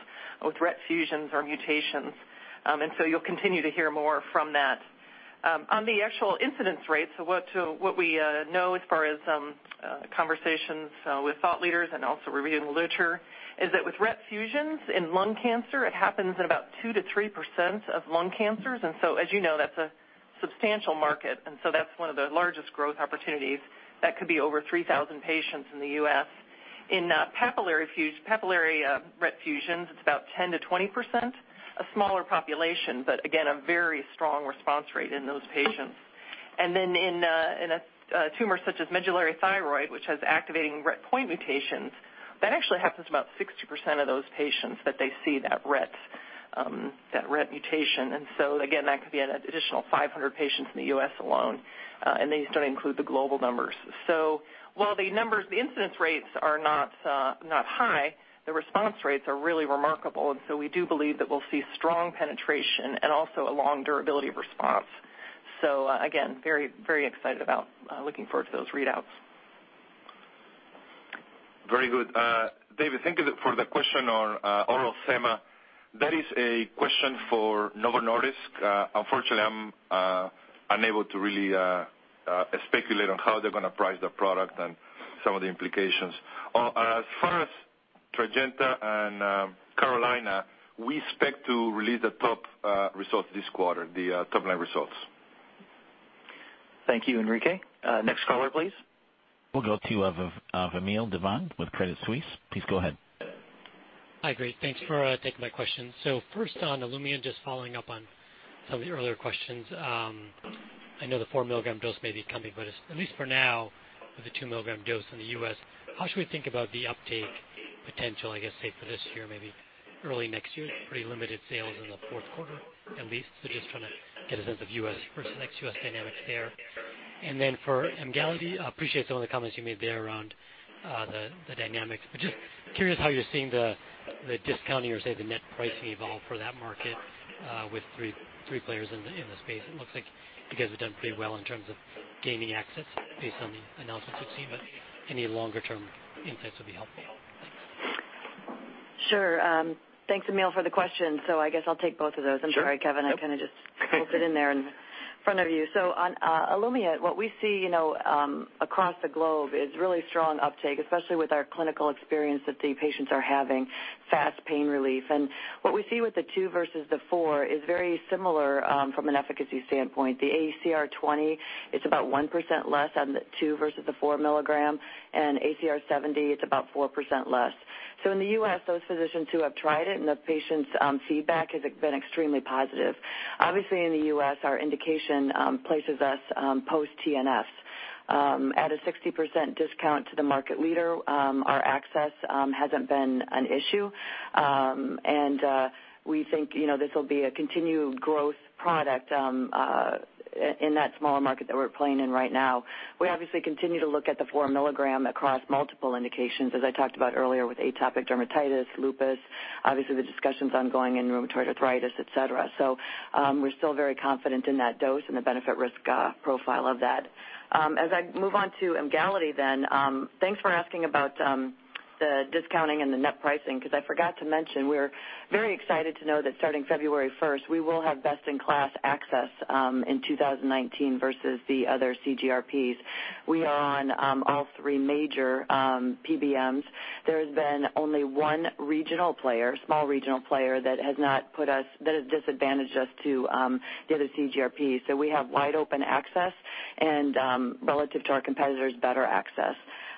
with RET fusions or mutations. You'll continue to hear more from that. On the actual incidence rates, what we know as far as conversations with thought leaders and also reviewing the literature, is that with RET fusions in lung cancer, it happens in about 2%-3% of lung cancers. As you know, that's a substantial market. That's one of the largest growth opportunities that could be over 3,000 patients in the U.S. In papillary RET fusions, it's about 10%-20%, a smaller population, again, a very strong response rate in those patients. In a tumor such as medullary thyroid, which has activating RET point mutations, that actually happens about 60% of those patients that they see that RET mutation. Again, that could be an additional 500 patients in the U.S. alone. These don't include the global numbers. While the incidence rates are not high, the response rates are really remarkable, and we do believe that we'll see strong penetration and also a long durability of response. Again, very excited about looking forward to those readouts. Very good. David, thank you for the question on oral semaglutide. That is a question for Novo Nordisk. Unfortunately, I'm unable to really speculate on how they're going to price the product and some of the implications. As far as Tradjenta and CAROLINA, we expect to release the top-line results this quarter. Thank you, Enrique. Next caller, please. We'll go to Vamil Divan with Credit Suisse. Please go ahead. Hi, great. Thanks for taking my question. First on Olumiant, just following up on some of the earlier questions. I know the 4 mg dose may be coming, but at least for now, with the 2 mg dose in the U.S., how should we think about the uptake potential, I guess, say, for this year, maybe early next year? It's pretty limited sales in the fourth quarter, at least. Just trying to get a sense of U.S. versus ex-U.S. dynamics there. For Emgality, I appreciate some of the comments you made there around the dynamics, but just curious how you're seeing the discounting or, say, the net pricing evolve for that market with three players in the space. It looks like you guys have done pretty well in terms of gaining access based on the announcements we've seen, but any longer-term insights would be helpful. Thanks. Sure. Thanks, Vamil, for the question. I guess I'll take both of those. Sure. I'm sorry, Kevin, I kind of just hopped in there in front of you. On Olumiant, what we see across the globe is really strong uptake, especially with our clinical experience that the patients are having fast pain relief. What we see with the 2 mg versus the 4 mg is very similar from an efficacy standpoint. The ACR20, it's about 1% less on the 2 mg versus the 4 mg, and ACR70, it's about 4% less. In the U.S., those physicians who have tried it and the patient's feedback has been extremely positive. Obviously in the U.S., our indication places us post TNF at a 60% discount to the market leader. Our access hasn't been an issue. We think this will be a continued growth product in that smaller market that we're playing in right now. We obviously continue to look at the 4 mg across multiple indications, as I talked about earlier, with atopic dermatitis, lupus, obviously the discussions ongoing in rheumatoid arthritis, et cetera. We're still very confident in that dose and the benefit-risk profile of that. As I move on to Emgality then, thanks for asking about the discounting and the net pricing, because I forgot to mention we're very excited to know that starting February 1st, we will have best-in-class access in 2019 versus the other CGRPs. We are on all three major PBMs. There has been only one small regional player that has disadvantaged us to the other CGRPs. We have wide-open access and relative to our competitors, better access.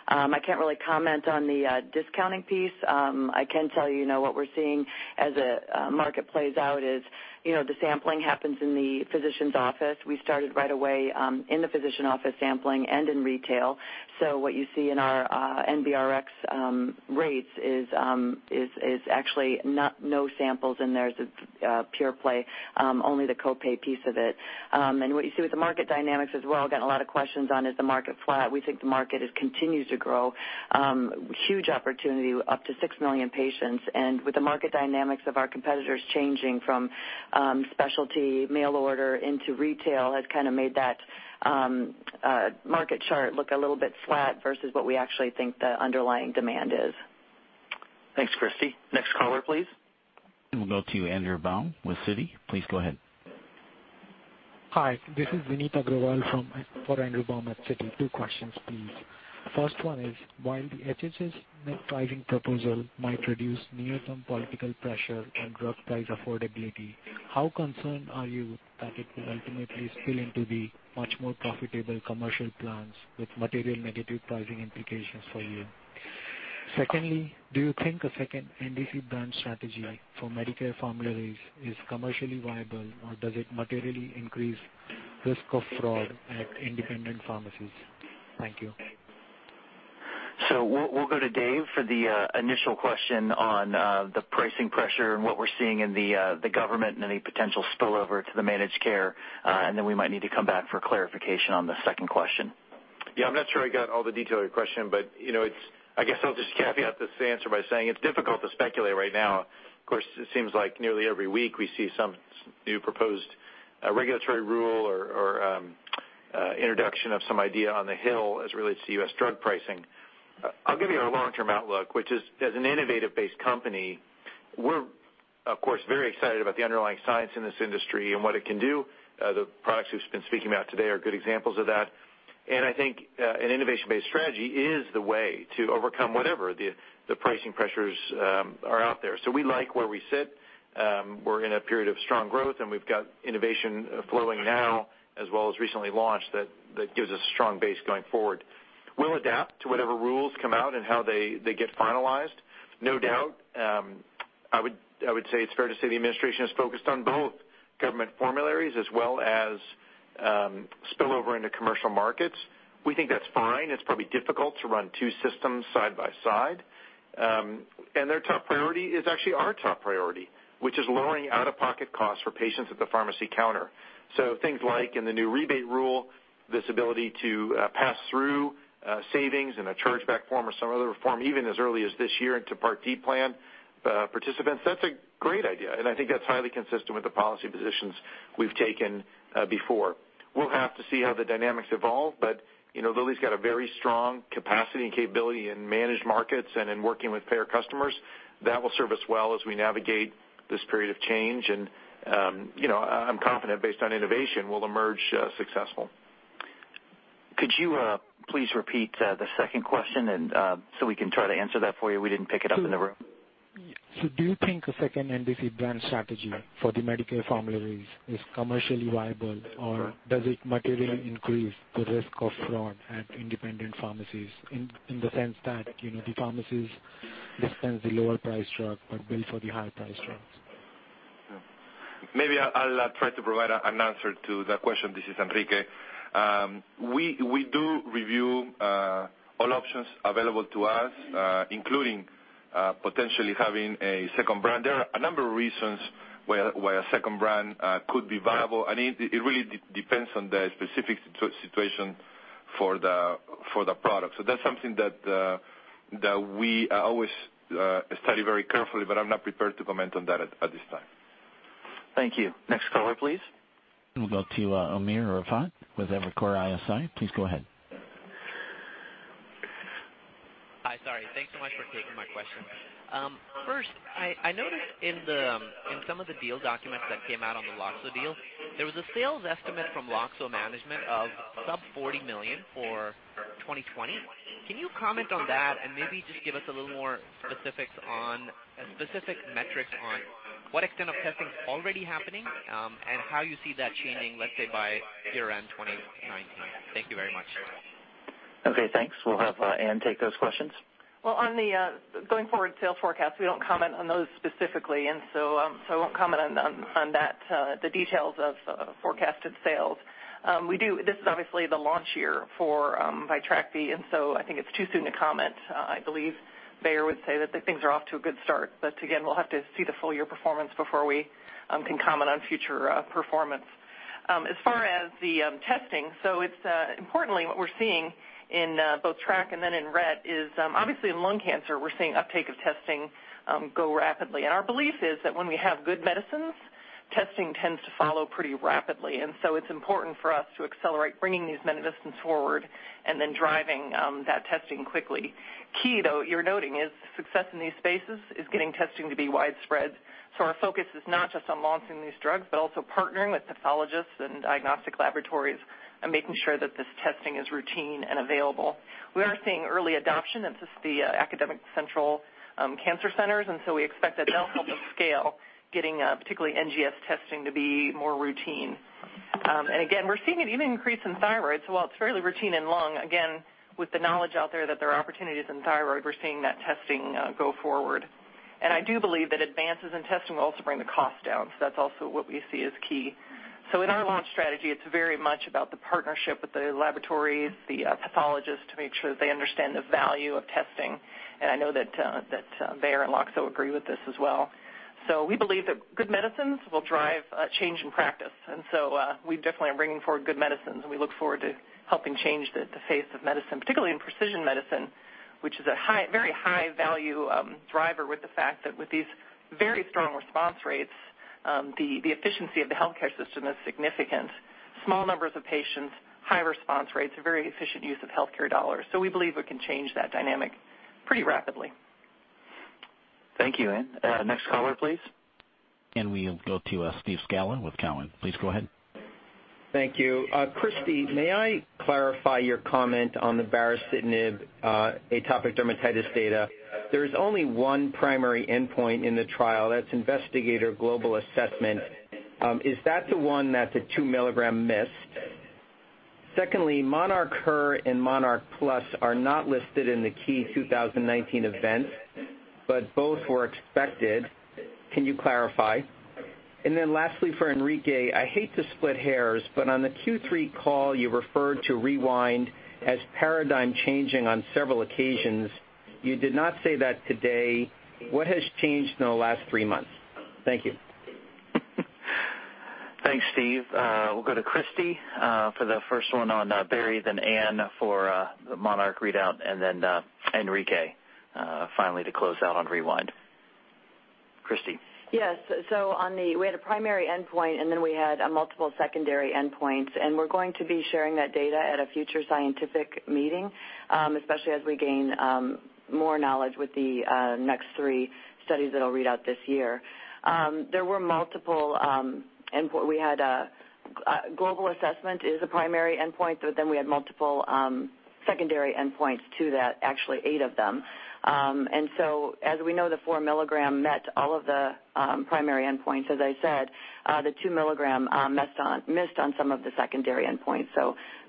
I can't really comment on the discounting piece. I can tell you what we're seeing as the market plays out is the sampling happens in the physician's office. We started right away in the physician office sampling and in retail. What you see in our NBRx rates is actually no samples in there. It's pure play, only the co-pay piece of it. What you see with the market dynamics as well, again, a lot of questions on, is the market flat? We think the market continues to grow. Huge opportunity, up to 6 million patients. With the market dynamics of our competitors changing from specialty mail order into retail has kind of made that market chart look a little bit flat versus what we actually think the underlying demand is. Thanks, Christi. Next caller, please. We'll go to Andrew Baum with Citi. Please go ahead. Hi. This is Vineet Agrawal for Andrew Baum at Citi. Two questions, please. First one is, while the HHS net pricing proposal might reduce near-term political pressure and drug price affordability, how concerned are you that it will ultimately spill into the much more profitable commercial plans with material negative pricing implications for you? Secondly, do you think a second NDC brand strategy for Medicare formularies is commercially viable, or does it materially increase risk of fraud at independent pharmacies? Thank you. We'll go to Dave for the initial question on the pricing pressure and what we're seeing in the government and any potential spillover to the managed care. Then we might need to come back for clarification on the second question. Yeah, I'm not sure I got all the detail of your question, but I guess I'll just caveat this answer by saying it's difficult to speculate right now. Of course, it seems like nearly every week we see some new proposed regulatory rule or introduction of some idea on the Hill as it relates to U.S. drug pricing. I'll give you our long-term outlook, which is as an innovative-based company, we're of course, very excited about the underlying science in this industry and what it can do. The products we've been speaking about today are good examples of that. I think an innovation-based strategy is the way to overcome whatever the pricing pressures are out there. We like where we sit. We're in a period of strong growth, and we've got innovation flowing now as well as recently launched that gives us a strong base going forward. We'll adapt to whatever rules come out and how they get finalized. No doubt. I would say it's fair to say the administration is focused on both government formularies as well as spillover into commercial markets. We think that's fine. It's probably difficult to run two systems side by side. Their top priority is actually our top priority, which is lowering out-of-pocket costs for patients at the pharmacy counter. Things like in the new rebate rule, this ability to pass through savings in a chargeback form or some other form, even as early as this year into Part D plan participants. That's a great idea, and I think that's highly consistent with the policy positions we've taken before. We'll have to see how the dynamics evolve, but Lilly's got a very strong capacity and capability in managed markets and in working with payer customers. That will serve us well as we navigate this period of change, and I'm confident, based on innovation, we'll emerge successful. Could you please repeat the second question so we can try to answer that for you? We didn't pick it up in the room. Do you think a second NDC brand strategy for the Medicare formularies is commercially viable, or does it materially increase the risk of fraud at independent pharmacies? In the sense that the pharmacies dispense the lower-priced drug but bill for the higher-priced drugs. Maybe I'll try to provide an answer to that question. This is Enrique. We do review all options available to us, including potentially having a second brand. There are a number of reasons why a second brand could be viable, and it really depends on the specific situation for the product. That's something that we always study very carefully, but I'm not prepared to comment on that at this time. Thank you. Next caller, please. We'll go to Umer Raffat with Evercore ISI. Please go ahead. Hi. Sorry. Thanks so much for taking my question. First, I noticed in some of the deal documents that came out on the Loxo deal, there was a sales estimate from Loxo management of sub $40 million for 2020. Can you comment on that and maybe just give us a little more specifics on specific metrics on what extent of testing's already happening and how you see that changing, let's say, by year-end 2019? Thank you very much. Okay, thanks. We'll have Anne take those questions. On the going-forward sales forecast, we don't comment on those specifically, I won't comment on the details of forecasted sales. This is obviously the launch year for Vitrakvi, I think it's too soon to comment. I believe Bayer would say that things are off to a good start, we'll have to see the full-year performance before we can comment on future performance. As far as the testing, it's importantly what we're seeing in both NTRK and then in RET is obviously in lung cancer, we're seeing uptake of testing go rapidly. Our belief is that when we have good medicines, testing tends to follow pretty rapidly. It's important for us to accelerate bringing these medicines forward and then driving that testing quickly. Key, though, you're noting is success in these spaces is getting testing to be widespread. Our focus is not just on launching these drugs, but also partnering with pathologists and diagnostic laboratories and making sure that this testing is routine and available. We are seeing early adoption. That's just the academic central cancer centers, we expect that that'll help us scale getting particularly NGS testing to be more routine. And again, we're seeing it even increase in thyroid. While it's fairly routine in lung, again, with the knowledge out there that there are opportunities in thyroid, we're seeing that testing go forward. I do believe that advances in testing will also bring the cost down. That's also what we see as key. In our launch strategy, it's very much about the partnership with the laboratories, the pathologists, to make sure that they understand the value of testing. I know that Bayer and Loxo agree with this as well. We believe that good medicines will drive a change in practice. We definitely are bringing forward good medicines, we look forward to helping change the face of medicine, particularly in precision medicine, which is a very high-value driver with the fact that with these very strong response rates, the efficiency of the healthcare system is significant. Small numbers of patients, high response rates, a very efficient use of healthcare dollars. We believe we can change that dynamic pretty rapidly. Thank you, Anne. Next caller, please. We'll go to Steve Scala with Cowen. Please go ahead. Thank you. Christi, may I clarify your comment on the baricitinib atopic dermatitis data? There's only one primary endpoint in the trial, that's Investigator Global Assessment. Is that the one that the 2 mg missed? Secondly, monarcHER and MONARCH+ are not listed in the key 2019 events, but both were expected. Can you clarify? Lastly, for Enrique, I hate to split hairs, but on the Q3 call you referred to REWIND as paradigm changing on several occasions. You did not say that today. What has changed in the last three months? Thank you. Thanks, Steve. We'll go to Christi for the first one on Bari, then Anne for the MONARCH readout, and then Enrique, finally to close out on REWIND. Christi. Yes. We had a primary endpoint, we had multiple secondary endpoints. We're going to be sharing that data at a future scientific meeting, especially as we gain more knowledge with the next three studies that'll read out this year. There were multiple Global Assessment is a primary endpoint, we had multiple secondary endpoints to that, actually eight of them. As we know, the 4 mg met all of the primary endpoints. As I said, the 2 mg missed on some of the secondary endpoints.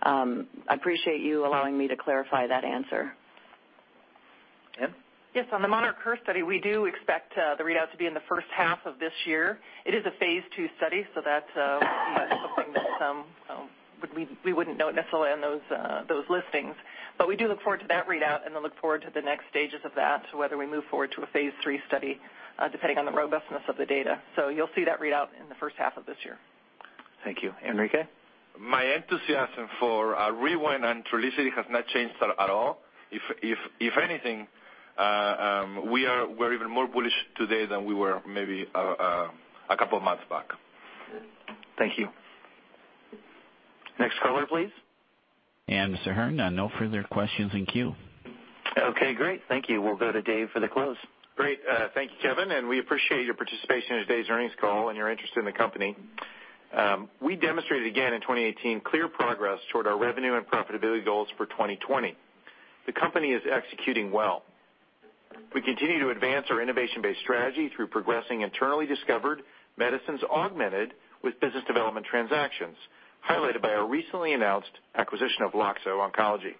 I appreciate you allowing me to clarify that answer. Anne? Yes. On the monarcHER study, we do expect the readout to be in the first half of this year. It is a phase II study, that's something that we wouldn't know necessarily on those listings. We do look forward to that readout, look forward to the next stages of that, whether we move forward to a phase III study, depending on the robustness of the data. You'll see that readout in the first half of this year. Thank you. Enrique? My enthusiasm for REWIND and Trulicity has not changed at all. If anything, we're even more bullish today than we were maybe a couple of months back. Thank you. Next caller, please. Mr. Hern, no further questions in queue. Okay, great. Thank you. We'll go to Dave for the close. Great. Thank you, Kevin, and we appreciate your participation in today's earnings call and your interest in the company. We demonstrated again in 2018 clear progress toward our revenue and profitability goals for 2020. The company is executing well. We continue to advance our innovation-based strategy through progressing internally discovered medicines, augmented with business development transactions, highlighted by our recently announced acquisition of Loxo Oncology.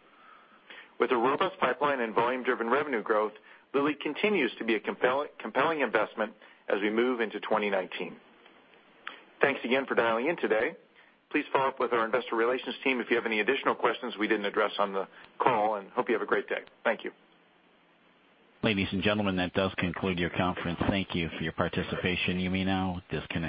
With a robust pipeline and volume-driven revenue growth, Lilly continues to be a compelling investment as we move into 2019. Thanks again for dialing in today. Please follow up with our investor relations team if you have any additional questions we didn't address on the call, and hope you have a great day. Thank you. Ladies and gentlemen, that does conclude your conference. Thank you for your participation. You may now disconnect.